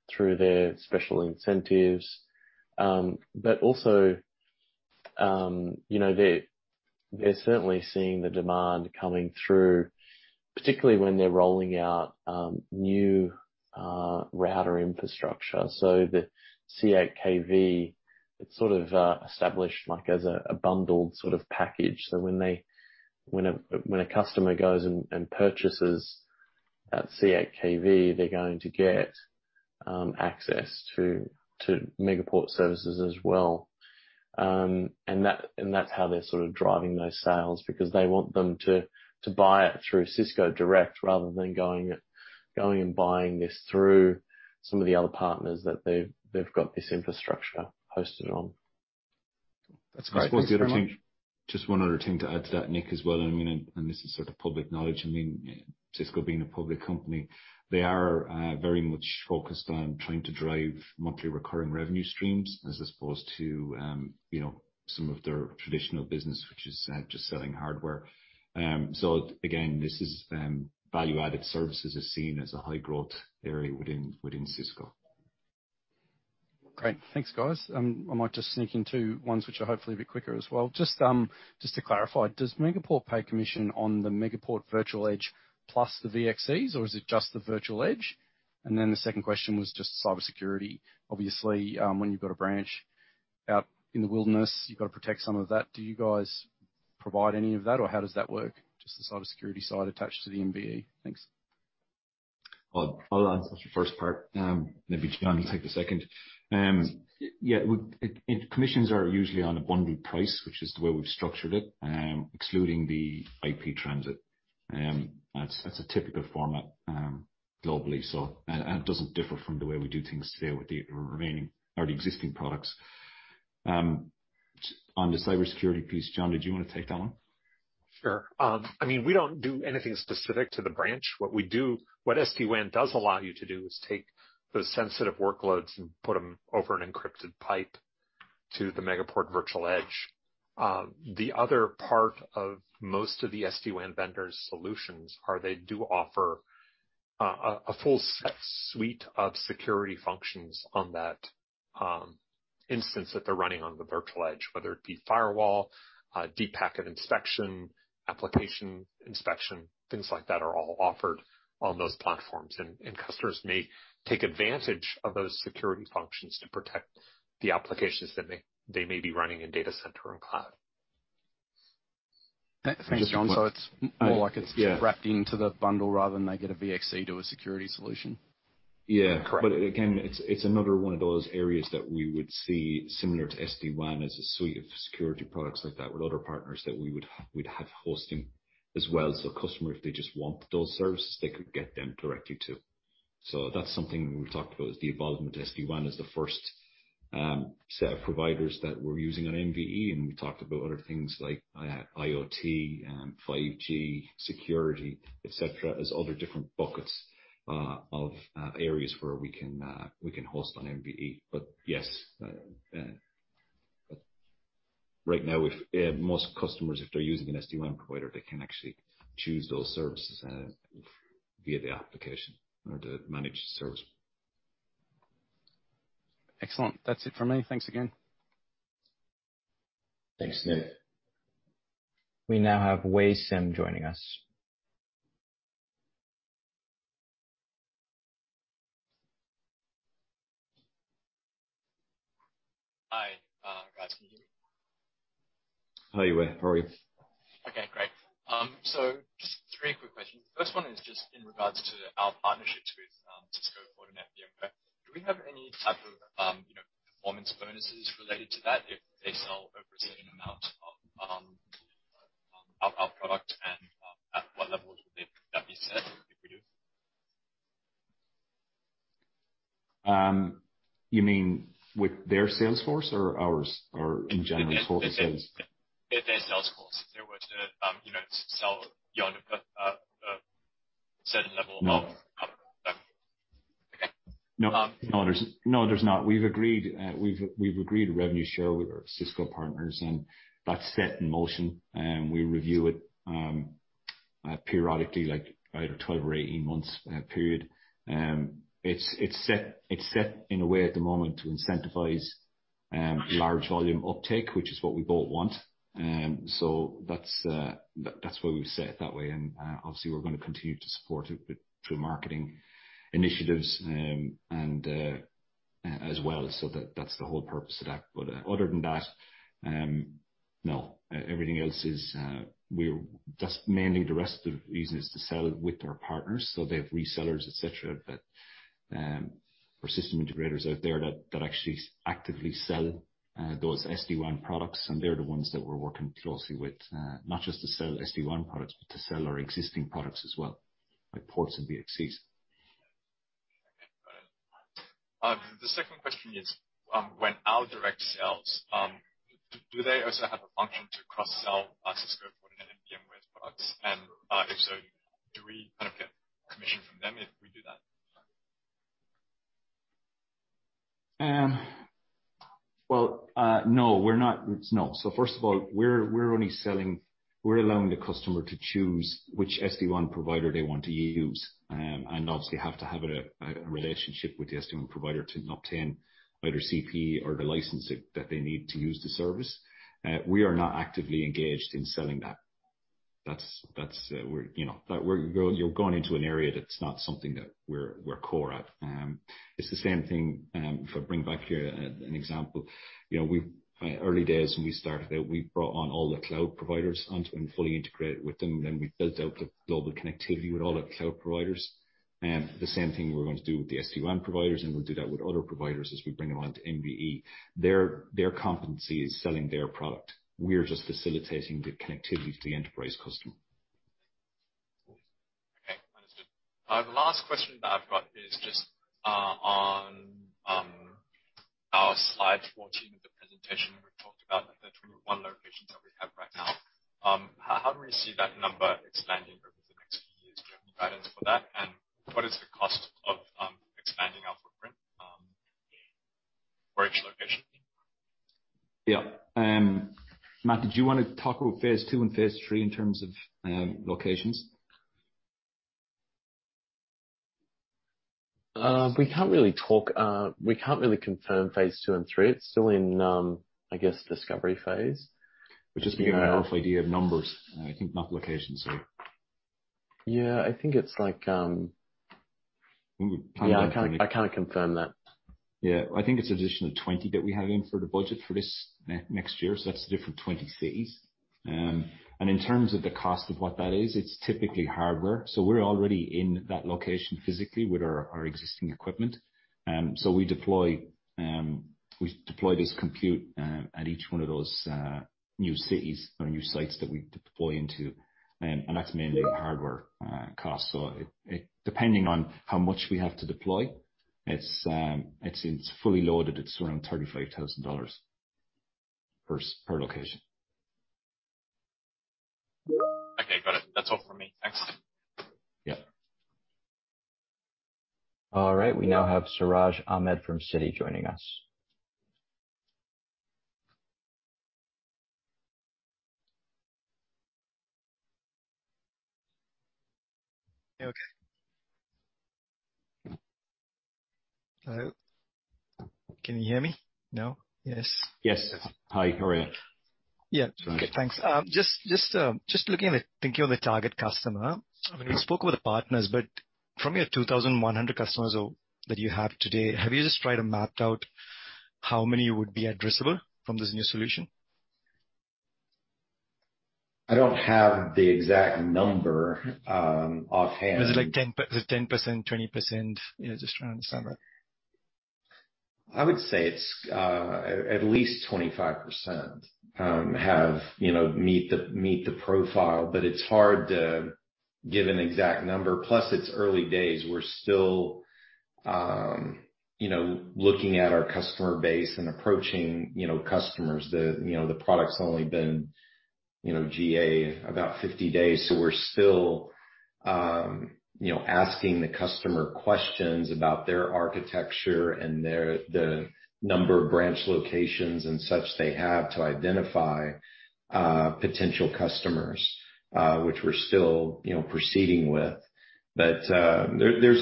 through their special incentives. they're certainly seeing the demand coming through, particularly when they're rolling out new router infrastructure. The C8KV, it's sort of established like as a bundled sort of package. When a customer goes and purchases that C8KV, they're going to get access to Megaport services as well. That's how they're sort of driving those sales because they want them to buy it through Cisco direct rather than going and buying this through some of the other partners that they've got this infrastructure hosted on. That's great. Thanks for that. Just one other thing to add to that, Nick, as well, and this is public knowledge. Cisco being a public company, they are very much focused on trying to drive monthly recurring revenue streams as opposed to some of their traditional business, which is just selling hardware. Again, value-added services are seen as a high-growth area within Cisco. Great. Thanks, guys. I might just sneak in two ones which are hopefully a bit quicker as well. Just to clarify, does Megaport pay commission on the Megaport Virtual Edge plus the VDCs, or is it just the virtual edge? the second question was just cybersecurity. Obviously, when you've got a branch out in the wilderness, you've got to protect some of that. Do you guys provide any of that, or how does that work? Just the cybersecurity side attached to the MVE. Thanks. I'll answer the first part. Maybe John can take the second. Yeah. Commissions are usually on a bundled price, which is the way we've structured it, excluding the IP transit. That's a typical format globally, so it doesn't differ from the way we do things today with the remaining or the existing products. On the cybersecurity piece, John, did you want to take that one? Sure. We don't do anything specific to the branch. What SD-WAN does allow you to do is take the sensitive workloads and put them over an encrypted pipe to the Megaport Virtual Edge. The other part of most of the SD-WAN vendors' solutions are they do offer a full suite of security functions on that instance that they're running on the Virtual Edge, whether it be firewall, deep packet inspection, application inspection, things like that are all offered on those platforms, and customers may take advantage of those security functions to protect the applications that they may be running in data center and cloud. Thanks, John. It's more like it's wrapped into the bundle rather than they get a VXC to a security solution? Yeah. Again, it's another one of those areas that we would see similar to SD-WAN as a suite of security products like that with other partners that we'd have hosting as well. A customer, if they just want those services, they could get them directly too. That's something we talked about is the involvement of SD-WAN as the first set of providers that we're using on MVE, and we talked about other things like IoT, 5G, security, et cetera, as other different buckets of areas where we can host on MVE. Yes, right now, most customers, if they're using an SD-WAN provider, they can actually choose those services via the application or the managed service. Excellent. That's it from me. Thanks again. Thanks, Nick. We now have [Wei Shen] joining us. Hi, guys. Can you hear me? Hello, Wei. How are you? Okay, great. Three quick questions. First one is just in regards to our partnership with Cisco for [MVE]. Do we have any type of performance bonuses related to that if they sell over a certain amount of our product, and at what level would that be set if we do? You mean with their sales force or ours, or in general? if they were to sell beyond a certain level of- No. Okay. No, there's not. We've agreed a revenue share with our Cisco partners, and that's set in motion, and we review it periodically, like a 12 months or 18 months period. It's set in a way at the moment to incentivize large volume uptake, which is what we both want. That's why we've set it that way, and obviously, we're going to continue to support it through marketing initiatives as well. That's the whole purpose of that. Other than that, no. Mainly the rest of it is to sell with our partners, so they have resellers, et cetera, or system integrators out there that actually actively sell those SD-WAN products, and they're the ones that we're working closely with, not just to sell SD-WAN products, but to sell our existing products as well, like ports and VDCs. The second question is when our direct sales, do they also have a function to cross-sell our Cisco for [MVE] products? if so, do we get commission from them if we do that? Well, no. First of all, we're allowing the customer to choose which SD-WAN provider they want to use, and obviously, you have to have a relationship with the SD-WAN provider to obtain either CPE or the license that they need to use the service. We are not actively engaged in selling that. You're going into an area that's not something that we're core at. It's the same thing, if I bring back here an example. Early days when we started out, we brought on all the cloud providers and fully integrated with them, and we built out all the connectivity with all our cloud providers. The same thing we're going to do with the SD-WAN providers, and we'll do that with other providers as we bring them onto MVE. Their competency is selling their product. We're just facilitating the connectivity to the enterprise customer. My last question that I've got is just on our slide 14 of the presentation. We talked about the 21 locations that we have right now. How do we see that number expanding over the next few years? Do you have any guidance for that, and what is the cost of expanding our footprint for each location? Yeah. Matthew, do you want to talk about phase two and phase three in terms of locations? We can't really confirm phase II and III. It's still in discovery phase, which is- I'm looking more for if you have numbers. I think not locations though. Yeah, I can't confirm that. Yeah. I think it's an additional 20 that we have in for the budget for this next year. That's a different 20 cities. In terms of the cost of what that is, it's typically hardware. We're already in that location physically with our existing equipment. We deploy this compute at each one of those new cities or new sites that we deploy into, and that's mainly hardware cost. Depending on how much we have to deploy, it's fully loaded, it's around $35,000 per location. Okay, got it. That's all for me. Thanks. Yeah. All right. We now have Siraj Ahmed from Citi joining us. Okay. Hello. Can you hear me? Yes. Hi. Go ahead. Yeah. Okay, thanks. Just thinking of the target customer. I mean, we spoke about partners, but from your 2,100 customers that you have today, have you just tried to map out how many would be addressable from this new solution? I don't have the exact number offhand. Is it like 10%, 20%? Just trying to understand that. I would say it's at least 25% meet the profile, but it's hard to give an exact number. Plus it's early days. We're still looking at our customer base and approaching customers. The product's only been GA about 50 days. We're still asking the customer questions about their architecture and the number of branch locations and such they have to identify potential customers, which we're still proceeding with. There's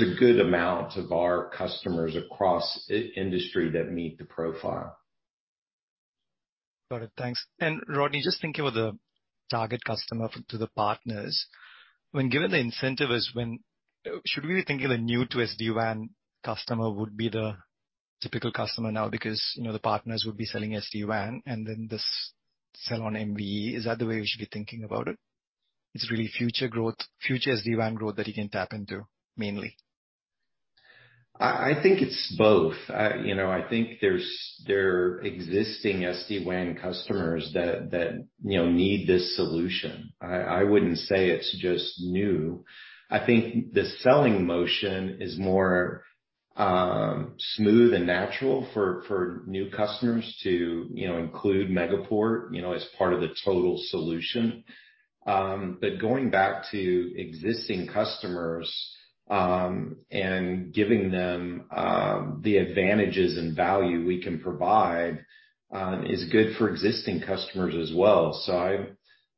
a good amount of our customers across industry that meet the profile. Got it. Thanks. Rodney, just thinking of the target customer to the partners. Should we think of a new to SD-WAN customer would be the typical customer now because the partners would be selling SD-WAN and then this sell on MV. Is that the way we should be thinking about it? It's really future SD-WAN growth that he can tap into mainly. I think it's both. I think there are existing SD-WAN customers that need this solution. I wouldn't say it's just new. I think the selling motion is more smooth and natural for new customers to include Megaport as part of the total solution. Going back to existing customers, and giving them the advantages and value we can provide is good for existing customers as well.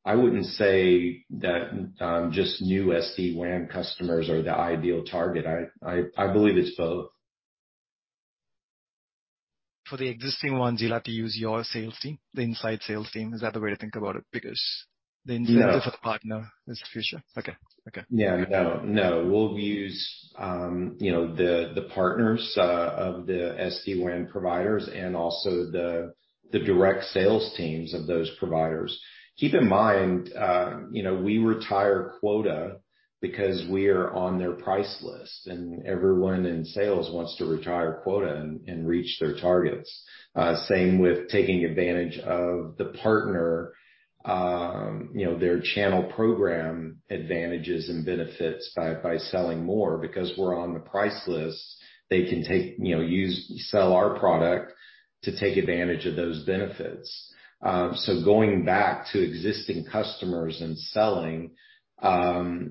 I wouldn't say that just new SD-WAN customers are the ideal target. I believe it's both. For the existing ones, you'll have to use your sales team, the inside sales team. Is that the way to think about it? Because the incentive- No Is a partner. That's the future. Okay. No. We'll use the partners of the SD-WAN providers and also the direct sales teams of those providers. Keep in mind we retire quota because we are on their price list, and everyone in sales wants to retire quota and reach their targets. Same with taking advantage of the partner, their channel program advantages and benefits by selling more. Because we're on the price list, they can sell our product to take advantage of those benefits. Going back to existing customers and selling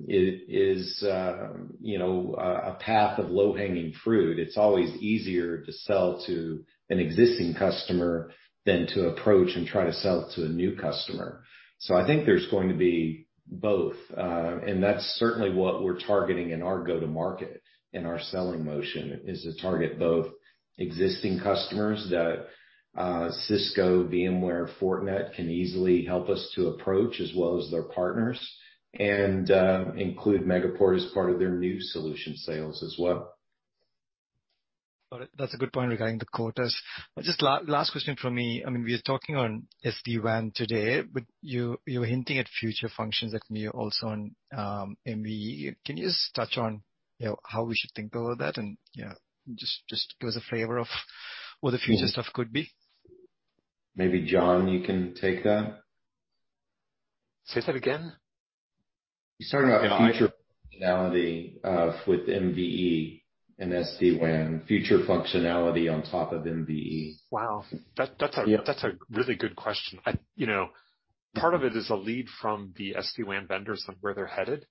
is a path of low-hanging fruit. It's always easier to sell to an existing customer than to approach and try to sell to a new customer. I think there's going to be both. That's certainly what we're targeting in our go-to-market and our selling motion, is to target both existing customers that Cisco, VMware, Fortinet can easily help us to approach as well as their partners, and include Megaport as part of their new solution sales as well. Got it. That's a good point regarding the quotas. Just last question from me. I mean, we were talking on SD-WAN today, but you're hinting at future functions that may also on MV. Can you just touch on how we should think about that and just give us a flavor of what the future stuff could be? Maybe John you can take that? Say that again. You started future functionality with MVE and SD-WAN. Future functionality on top of MVE? Wow. That's a really good question. Part of it is a lead from the SD-WAN vendors on where they're headed.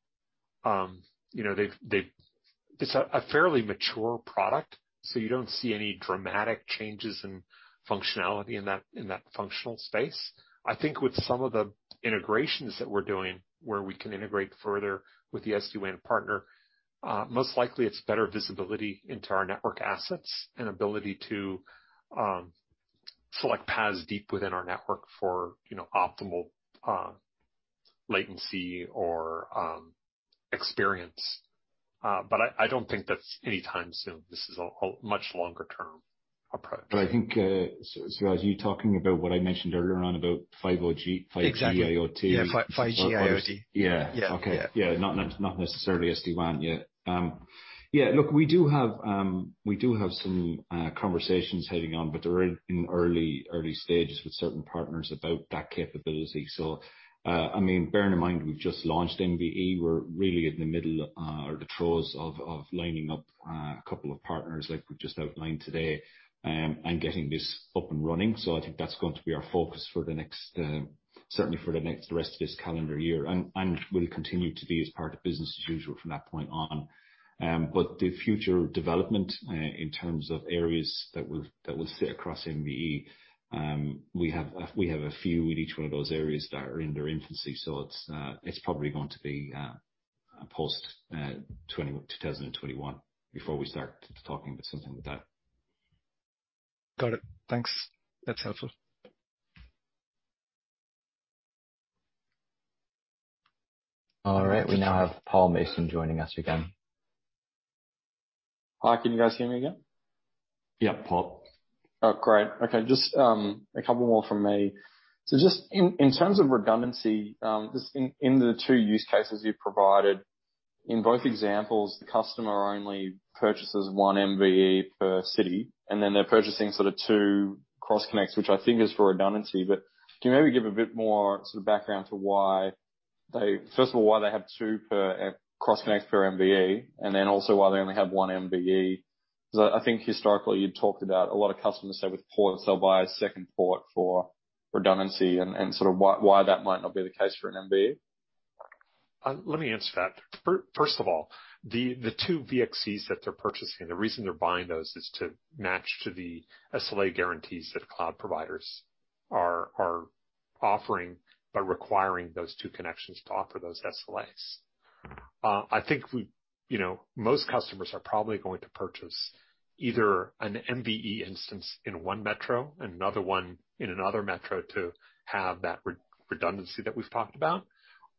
It's a fairly mature product, so you don't see any dramatic changes in functionality in that functional space. I think with some of the integrations that we're doing, where we can integrate further with the SD-WAN partner, most likely it's better visibility into our network assets and ability to select paths deep within our network for optimal latency or experience. I don't think that's anytime soon. This is a much longer-term approach. I think, as you're talking about what I mentioned earlier on about 5G IoT. Exactly. Yeah, 5G IoT. Yeah. Okay. Yeah, not necessarily SD-WAN yet. Yeah, look, we do have some conversations heading on, but they're in early stages with certain partners about that capability. Bear in mind, we've just launched MVE. We're really in the middle or the throes of lining up a couple of partners, like we just outlined today, and getting this up and running. I think that's going to be our focus certainly for the next rest of this calendar year, and will continue to be as part of business as usual from that point on. The future development in terms of areas that will sit across MVE, we have a few in each one of those areas that are in their infancy. It's probably going to be post-2021 before we start talking about something like that. Got it. Thanks. That's helpful. All right. We now have Paul Mason joining us again. Hi. Can you guys hear me again? Yeah, Paul. Oh, great. Okay, just a couple more from me. Just in terms of redundancy, just in the two use cases you provided, in both examples, the customer only purchases one MVE per city, and then they're purchasing two cross connects, which I think is for redundancy. Can you maybe give a bit more background to why they, first of all, why they have two cross connects per MVE, and then also why they only have one MVE? Because I think historically you'd talk about a lot of customers they would port, so they'll buy a second port for redundancy and why that might not be the case for an MVE. Let me answer that. First of all, the two VDCs that they're purchasing, the reason they're buying those is to match to the SLA guarantees that cloud providers are offering by requiring those two connections to offer those SLAs. I think most customers are probably going to purchase either an MVE instance in one metro and another one in another metro to have that redundancy that we've talked about,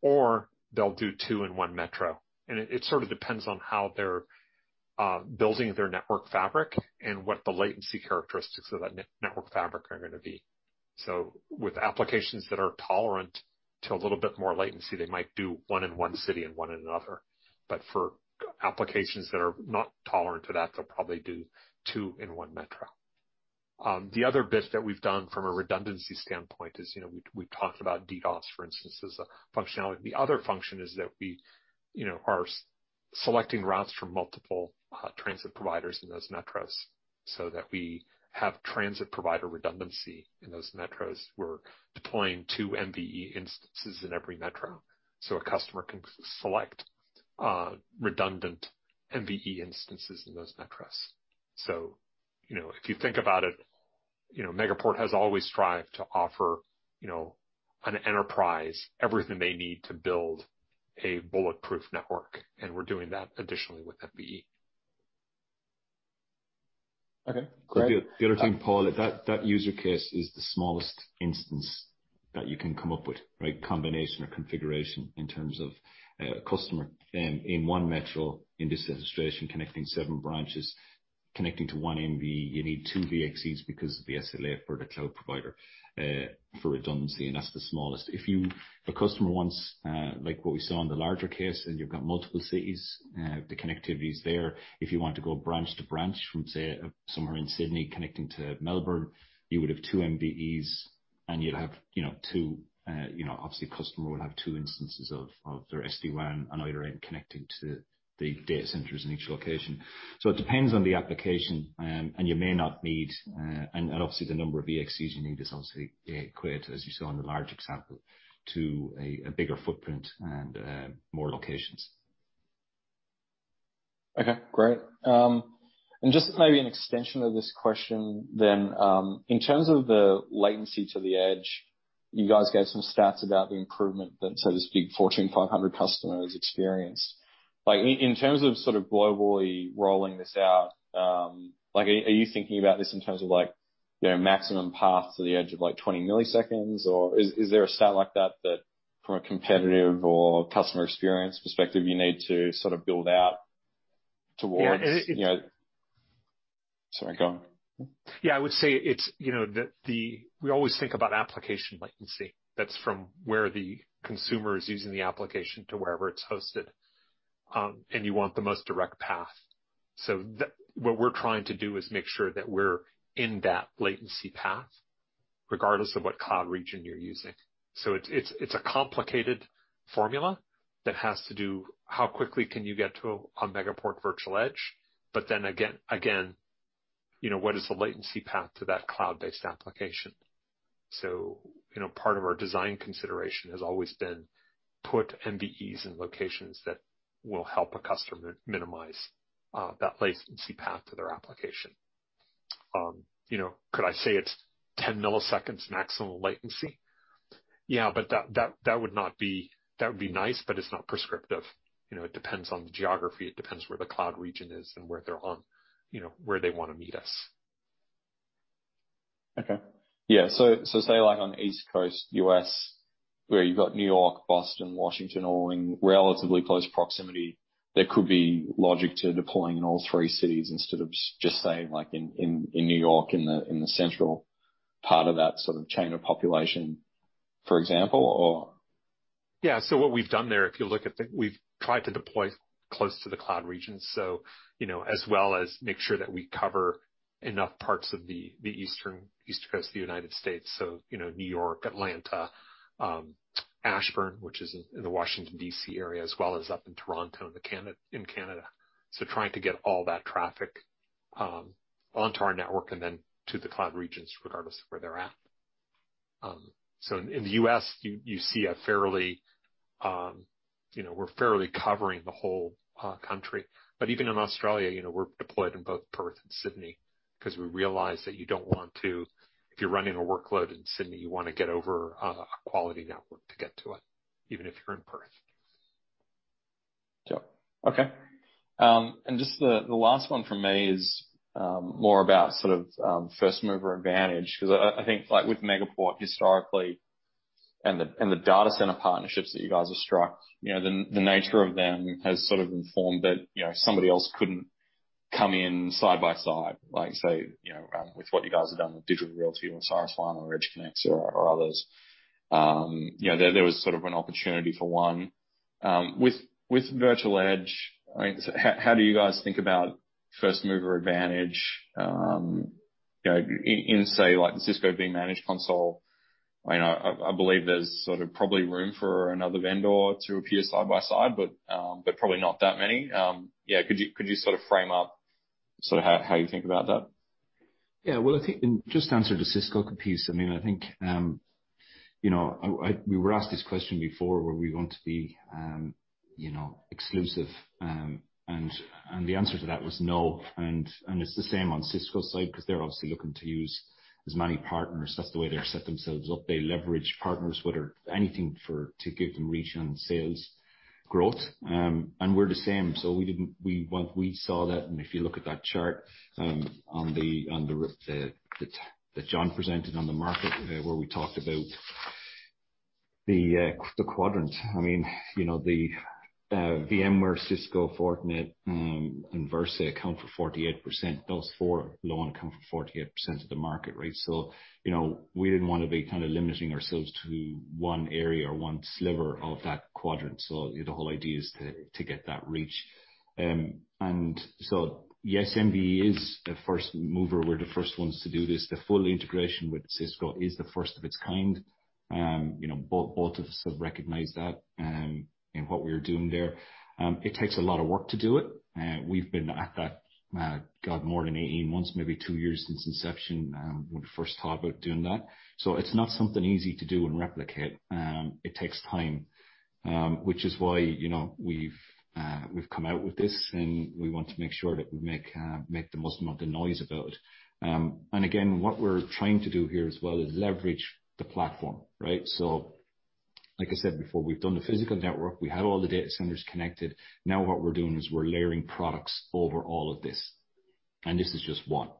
or they'll do two in one metro. It sort of depends on how they're building their network fabric and what the latency characteristics of that network fabric are going to be. With applications that are tolerant to a little bit more latency, they might do one in one city and one in another. For applications that are not tolerant to that, they'll probably do two in one metro. The other bit that we've done from a redundancy standpoint is, we talked about DDoS, for instance, as a functionality. The other function is that we are selecting routes from multiple transit providers in those metros so that we have transit provider redundancy in those metros. We're deploying two MVE instances in every metro, so a customer can select redundant MVE instances in those metros. if you think about it, Megaport has always strived to offer an enterprise everything they need to build a bulletproof network, and we're doing that additionally with MVE. Okay, great. The other thing, Paul, that use case is the smallest instance that you can come up with, right? Combination or configuration in terms of a customer in one metro, in this illustration, connecting seven branches, connecting to one MVE, you need two VDCs because of the SLA for the cloud provider for redundancy, and that's the smallest. If a customer wants, like what we saw in the larger case, and you've got multiple cities, the connectivity's there. If you want to go branch to branch from, say, somewhere in Sydney connecting to Melbourne, you would have two MVEs and you'd have two, obviously, a customer would have two instances of their SD-WAN on either end connecting to the data centers in each location. It depends on the application, and you may not need, and obviously the number of VDCs you need is obviously equate, as you saw in the large example, to a bigger footprint and more locations. Okay, great. Just maybe an extension of this question then. In terms of the latency to the edge, you guys gave some stats about the improvement that, so to speak, Fortune 500 customers experienced. In terms of globally rolling this out, are you thinking about this in terms of maximum path to the edge of 20 milliseconds? Is there a stat like that from a competitive or customer experience perspective you need to build out towards? Sorry, go on. Yeah, I would say we always think about application latency. That's from where the consumer is using the application to wherever it's hosted. You want the most direct path. What we're trying to do is make sure that we're in that latency path regardless of what cloud region you're using. It's a complicated formula that has to do how quickly can you get to a Megaport Virtual Edge, but then again, what is the latency path to that cloud-based application? Part of our design consideration has always been put MVEs in locations that will help a customer minimize that latency path to their application. Could I say it's 10 milliseconds maximum latency? Yeah, that would be nice, but it's not prescriptive. It depends on the geography, it depends where the cloud region is, and where they want to meet us. Okay. Yeah. Say like on the East Coast U.S., where you've got New York, Boston, Washington all in relatively close proximity, there could be logic to deploying all three cities instead of just saying like in New York, in the central part of that sort of chain of population, for example, or? Yeah. what we've done there, if you look at that, we've tried to deploy close to the cloud region. as well as make sure that we cover enough parts of the Eastern East Coast of the United States, so New York, Atlanta, Ashburn, which is in the Washington, D.C. area, as well as up in Toronto in Canada. trying to get all that traffic onto our network and then to the cloud regions regardless of where they're at. in the U.S., we're fairly covering the whole country. even in Australia, we're deployed in both Perth and Sydney because we realize that you don't want to, if you're running a workload in Sydney, you want to get over a quality network to get to it, even if you're in Perth. Yep. Okay. just the last one from me is more about sort of first-mover advantage, because I think like with Megaport historically and the data center partnerships that you guys have struck, the nature of them has sort of informed that somebody else couldn't come in side by side, like say, with what you guys have done with Digital Realty or Cyxtera or EdgeConneX or others. There was sort of an opportunity for one. With virtual edge, how do you guys think about first-mover advantage? In say, like Cisco vManage console, I believe there's sort of probably room for another vendor to appear side by side, but probably not that many. Could you sort of frame up sort of how you think about that? Yeah. Well, I think just to answer the Cisco piece, I think, we were asked this question before, where we want to be exclusive, and the answer to that was no. It's the same on Cisco side because they're obviously looking to use as many partners. That's the way they've set themselves up. They leverage partners, whether anything for to give them reach on sales growth. We're the same. We saw that, and if you look at that chart that John presented on the market where we talked about the quadrants. The VMware, Cisco, Fortinet, and Versa account for 48%, those four alone account for 48% of the market, right? We didn't want to be kind of limiting ourselves to one area or one sliver of that quadrant. The whole idea is to get that reach. Yes, MVE is the first mover. We're the first ones to do this. The full integration with Cisco is the first of its kind. Both of us have recognized that in what we're doing there. It takes a lot of work to do it. We've been at that, God, more than 18 months, maybe two years since inception, when we first talked about doing that. it's not something easy to do and replicate. It takes time, which is why we've come out with this, and we want to make sure that we make the most amount of noise about it. again, what we're trying to do here as well is leverage the platform, right? like I said before, we've done the physical network. We have all the data centers connected. Now what we're doing is we're layering products over all of this, and this is just one.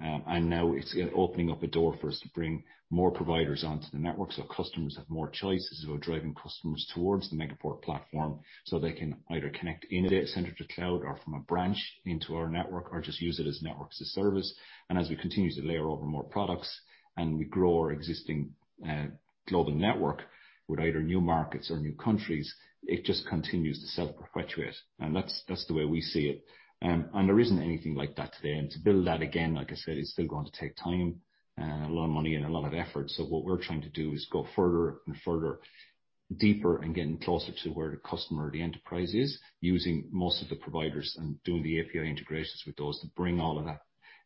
Now it's opening up a door for us to bring more providers onto the network so customers have more choices. We're driving customers towards the Megaport platform, so they can either connect in a data center to cloud or from a branch into our network or just use it as networks as service. as we continue to layer over more products and we grow our existing global network with either new markets or new countries, it just continues to self-perpetuate. that's the way we see it. there isn't anything like that today. to build that again, like I said, it's still going to take time and a lot of money and a lot of effort. What we're trying to do is go further and further deeper and getting closer to where the customer or the enterprise is, using most of the providers and doing the API integrations with those to bring all of that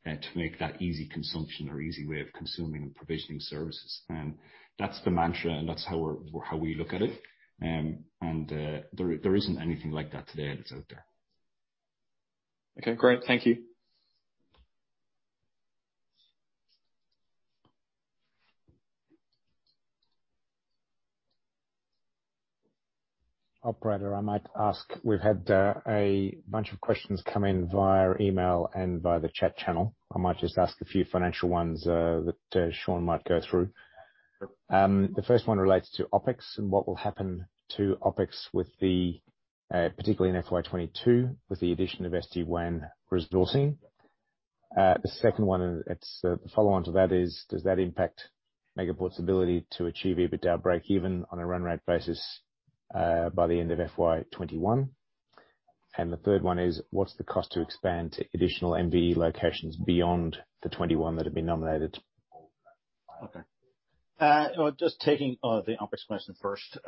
and to make that easy consumption or easy way of consuming and provisioning services. That's the mantra, and that's how we look at it. there isn't anything like that today that's out there. Okay, great. Thank you. Operator, I might ask, we've had a bunch of questions come in via email and via the chat channel. I might just ask a few financial ones that John might go through. The first one relates to OpEx and what will happen to OpEx with the, particularly in FY 2022, with the addition of SD-WAN resourcing The second one, the follow-on to that is does that impact Megaport's ability to achieve EBITDA breakeven on a run rate basis by the end of FY 2021? The third one is what's the cost to expand to additional MV locations beyond the 2021 that have been nominated? Okay. Just taking the OpEx question first.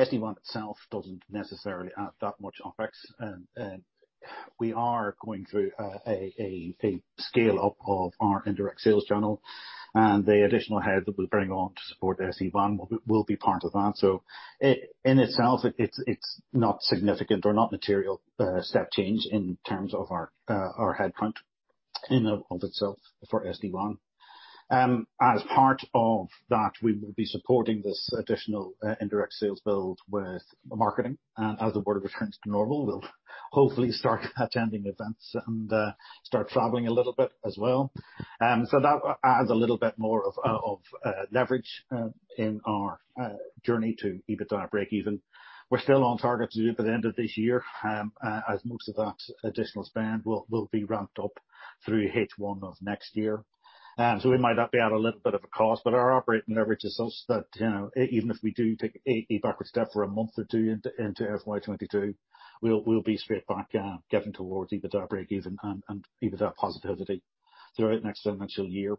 SD-WAN itself doesn't necessarily add that much OpEx. We are going through a scale-up of our indirect sales channel, and the additional head that we bring on to support SD-WAN will be part of that. In itself, it's not significant or not material step change in terms of our headcount in and of itself for SD-WAN. As part of that, we will be supporting this additional indirect sales build with marketing. As the world returns to normal, we'll hopefully start attending events and start traveling a little bit as well. That adds a little bit more of leverage in our journey to EBITDA breakeven. We're still on target to do it by the end of this year, as most of that additional spend will be ramped up through H1 of next year. We might be out a little bit of a cost, but our operating leverage is such that even if we do take a backward step for a month or two into FY 2022, we'll be straight back getting towards EBITDA breakeven and EBITDA positivity throughout next financial year.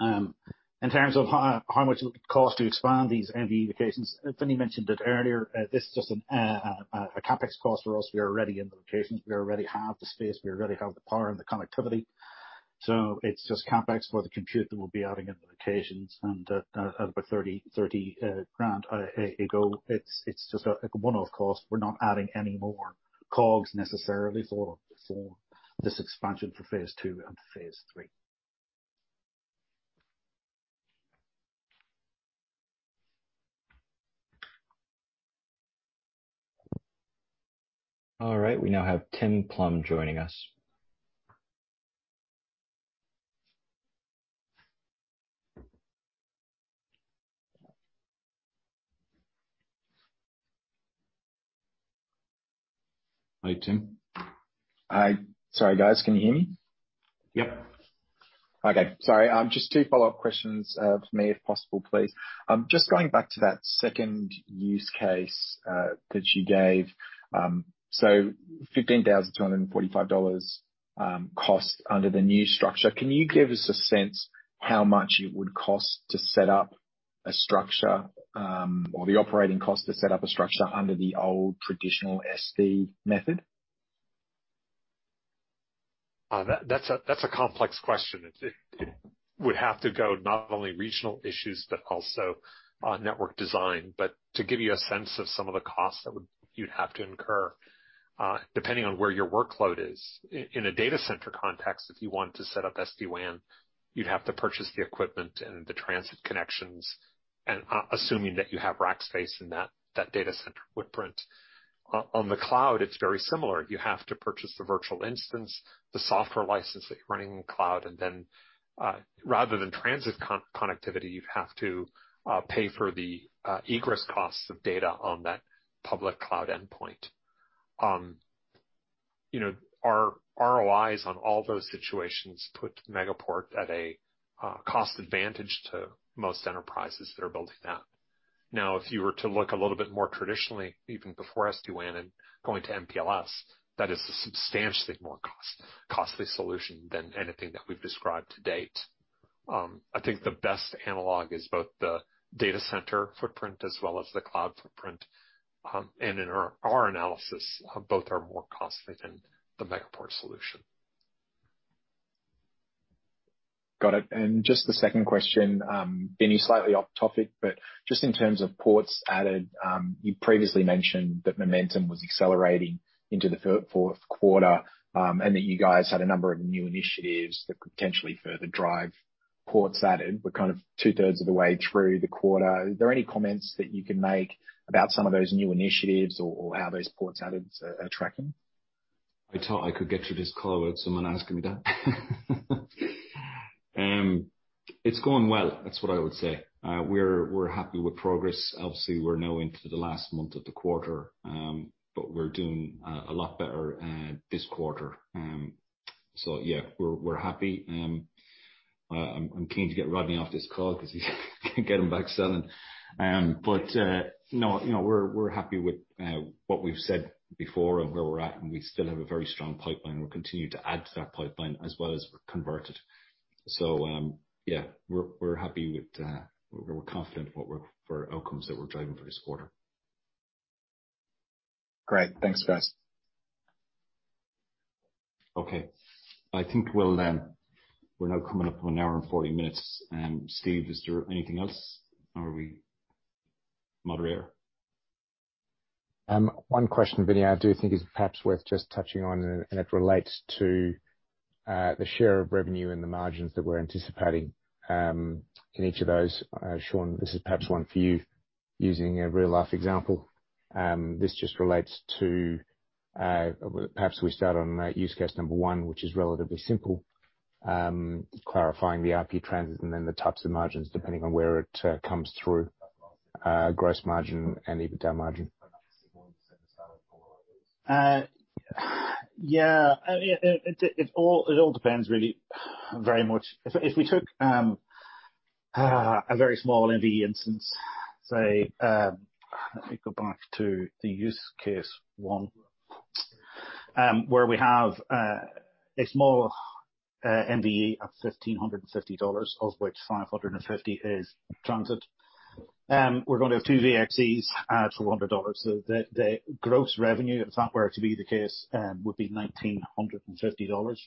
In terms of how much it would cost to expand these MV locations, as Vinnie mentioned it earlier, this is just a CapEx cost for us. We are already in locations. We already have the space. We already have the power and the connectivity. It's just CapEx for the compute that we'll be adding in the locations and about 30 grand a go. It's just a one-off cost. We're not adding any more costs necessarily for this expansion for phase two and phase three. All right. We now have Tim Plumbe joining us. Hi, Tim? Sorry, guys. Can you hear me? Yep. Okay. Sorry. Just two follow-up questions for me, if possible, please. Just going back to that second use case that you gave. $15,245 cost under the new structure. Can you give us a sense how much it would cost to set up a structure or the operating cost to set up a structure under the old traditional SD method? That's a complex question. It would have to go not only regional issues, but also network design. To give you a sense of some of the costs that you'd have to incur, depending on where your workload is. In a data center context, if you want to set up SD-WAN, you'd have to purchase the equipment and the transit connections, and assuming that you have rack space in that data center footprint. On the cloud, it's very similar. You have to purchase the virtual instance, the software license that you're running in the cloud, and then rather than transit connectivity, you'd have to pay for the egress costs of data on that public cloud endpoint. Our ROIs on all those situations put Megaport at a cost advantage to most enterprises that are building that. Now, if you were to look a little bit more traditionally, even before SD-WAN and going to MPLS, that is a substantially more costly solution than anything that we've described to date. I think the best analog is both the data center footprint as well as the cloud footprint. In our analysis, both are more costly than the Megaport solution. Got it. Just the second question, Vinnie, slightly off topic, but just in terms of ports added. You previously mentioned that momentum was accelerating into the fourth quarter, and that you guys had a number of new initiatives that could potentially further drive ports added. We're kind of two-thirds of the way through the quarter. Are there any comments that you can make about some of those new initiatives or how those ports added are tracking? I thought I could get through this call without someone asking me that. It's going well. That's what I would say. We're happy with progress. Obviously, we're now into the last month of the quarter. We're doing a lot better this quarter. Yeah, we're happy. I'm keen to get Rodney off this call because he can't get him back selling. No, we're happy with what we've said before and where we're at, and we still have a very strong pipeline. We'll continue to add to that pipeline as well as convert it. Yeah, we're happy. We're confident for outcomes that we're driving for this quarter. Great. Thanks, guys. Okay. We're now coming up on an hour and 40 minutes. Steve, is there anything else? Are we about there? One question, Vinnie, I do think is perhaps worth just touching on, and it relates to the share of revenue and the margins that we're anticipating in each of those. Sean, this is perhaps one for you using a real-life example. This just relates to perhaps we start on use case number one, which is relatively simple, clarifying the ARPU trends and then the types of margins, depending on where it comes through gross margin and EBITDA margin. Yeah. It all depends really very much. If we took a very small MVE instance, say, if we go back to the use case one, where we have a small MVE at $1,550, of which $550 is transit. We're going to have two VDCs at $400. The gross revenue, if that were to be the case, would be $1,950.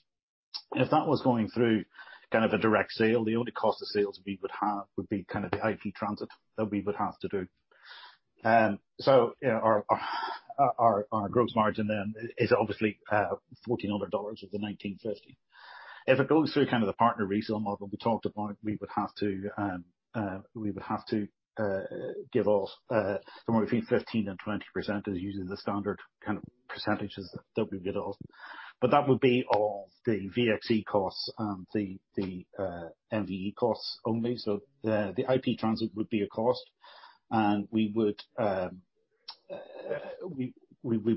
If that was going through a direct sale, the only cost of sales we would have would be the IP transit that we would have to do. Our gross margin then is obviously $1,400 of the $1,950. If it goes through the partner resale model we talked about, we would have to give off somewhere between 15%-20%, is usually the standard percentages that we give off. That would be of the VDC costs and the MVE costs only. The IP transit would be a cost. We would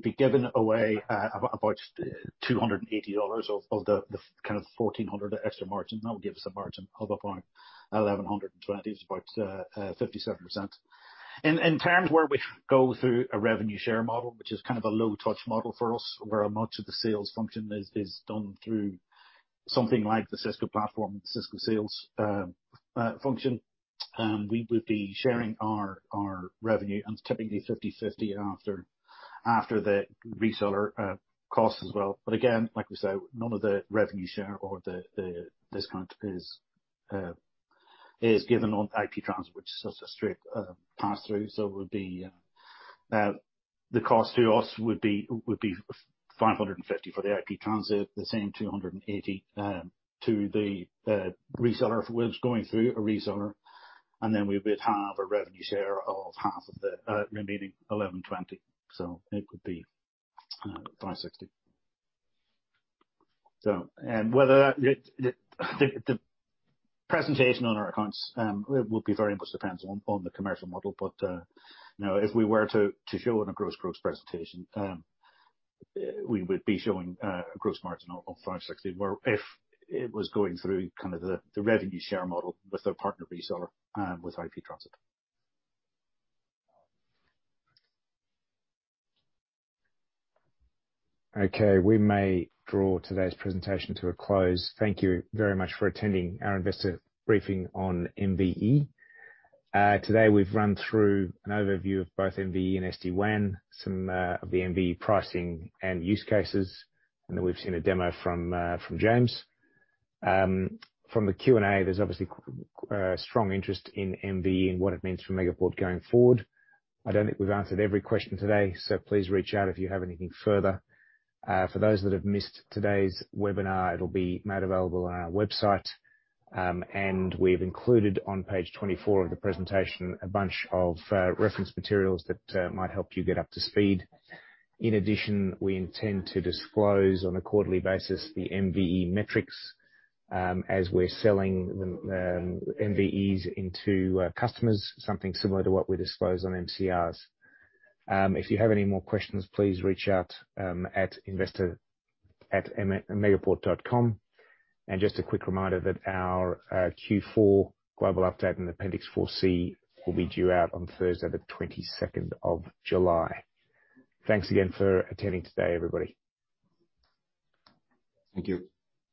be giving away about $280 of the $1,400 extra margin. That would give us a margin of about $1,120, which is about 57%. In terms where we go through a revenue share model, which is a low touch model for us, where much of the sales function is done through something like the Cisco platform, Cisco sales function. We would be sharing our revenue, and it's typically 50/50 after the reseller cost as well. Again, like we said, none of the revenue share or the discount is given on IP transit, which is just a straight pass-through. The cost to us would be $550 for the IP transit, the same $280 to the reseller if it was going through a reseller. We would have a revenue share of half of the remaining $1,120. It would be $560. The presentation on our accounts will be very much dependent on the commercial model. If we were to show it on a gross presentation, we would be showing a gross margin of $560, where if it was going through the revenue share model with a partner reseller with IP transit. We may draw today's presentation to a close. Thank you very much for attending our investor briefing on MVE. Today we've run through an overview of both MVE and SD-WAN, some of the MVE pricing and use cases, and then we've seen a demo from James. From the Q&A, there's obviously strong interest in MVE and what it means for Megaport going forward. I don't think we've answered every question today, so please reach out if you have anything further. For those that have missed today's webinar, it'll be made available on our website. We've included on page 24 of the presentation a bunch of reference materials that might help you get up to speed. In addition, we intend to disclose on a quarterly basis the MVE metrics as we're selling MVEs into customers, something similar to what we disclose on MCRs. If you have any more questions, please reach out at investor@megaport.com. Just a quick reminder that our Q4 global update and Appendix 4C will be due out on Thursday, July 22. Thanks again for attending today, everybody. Thank you.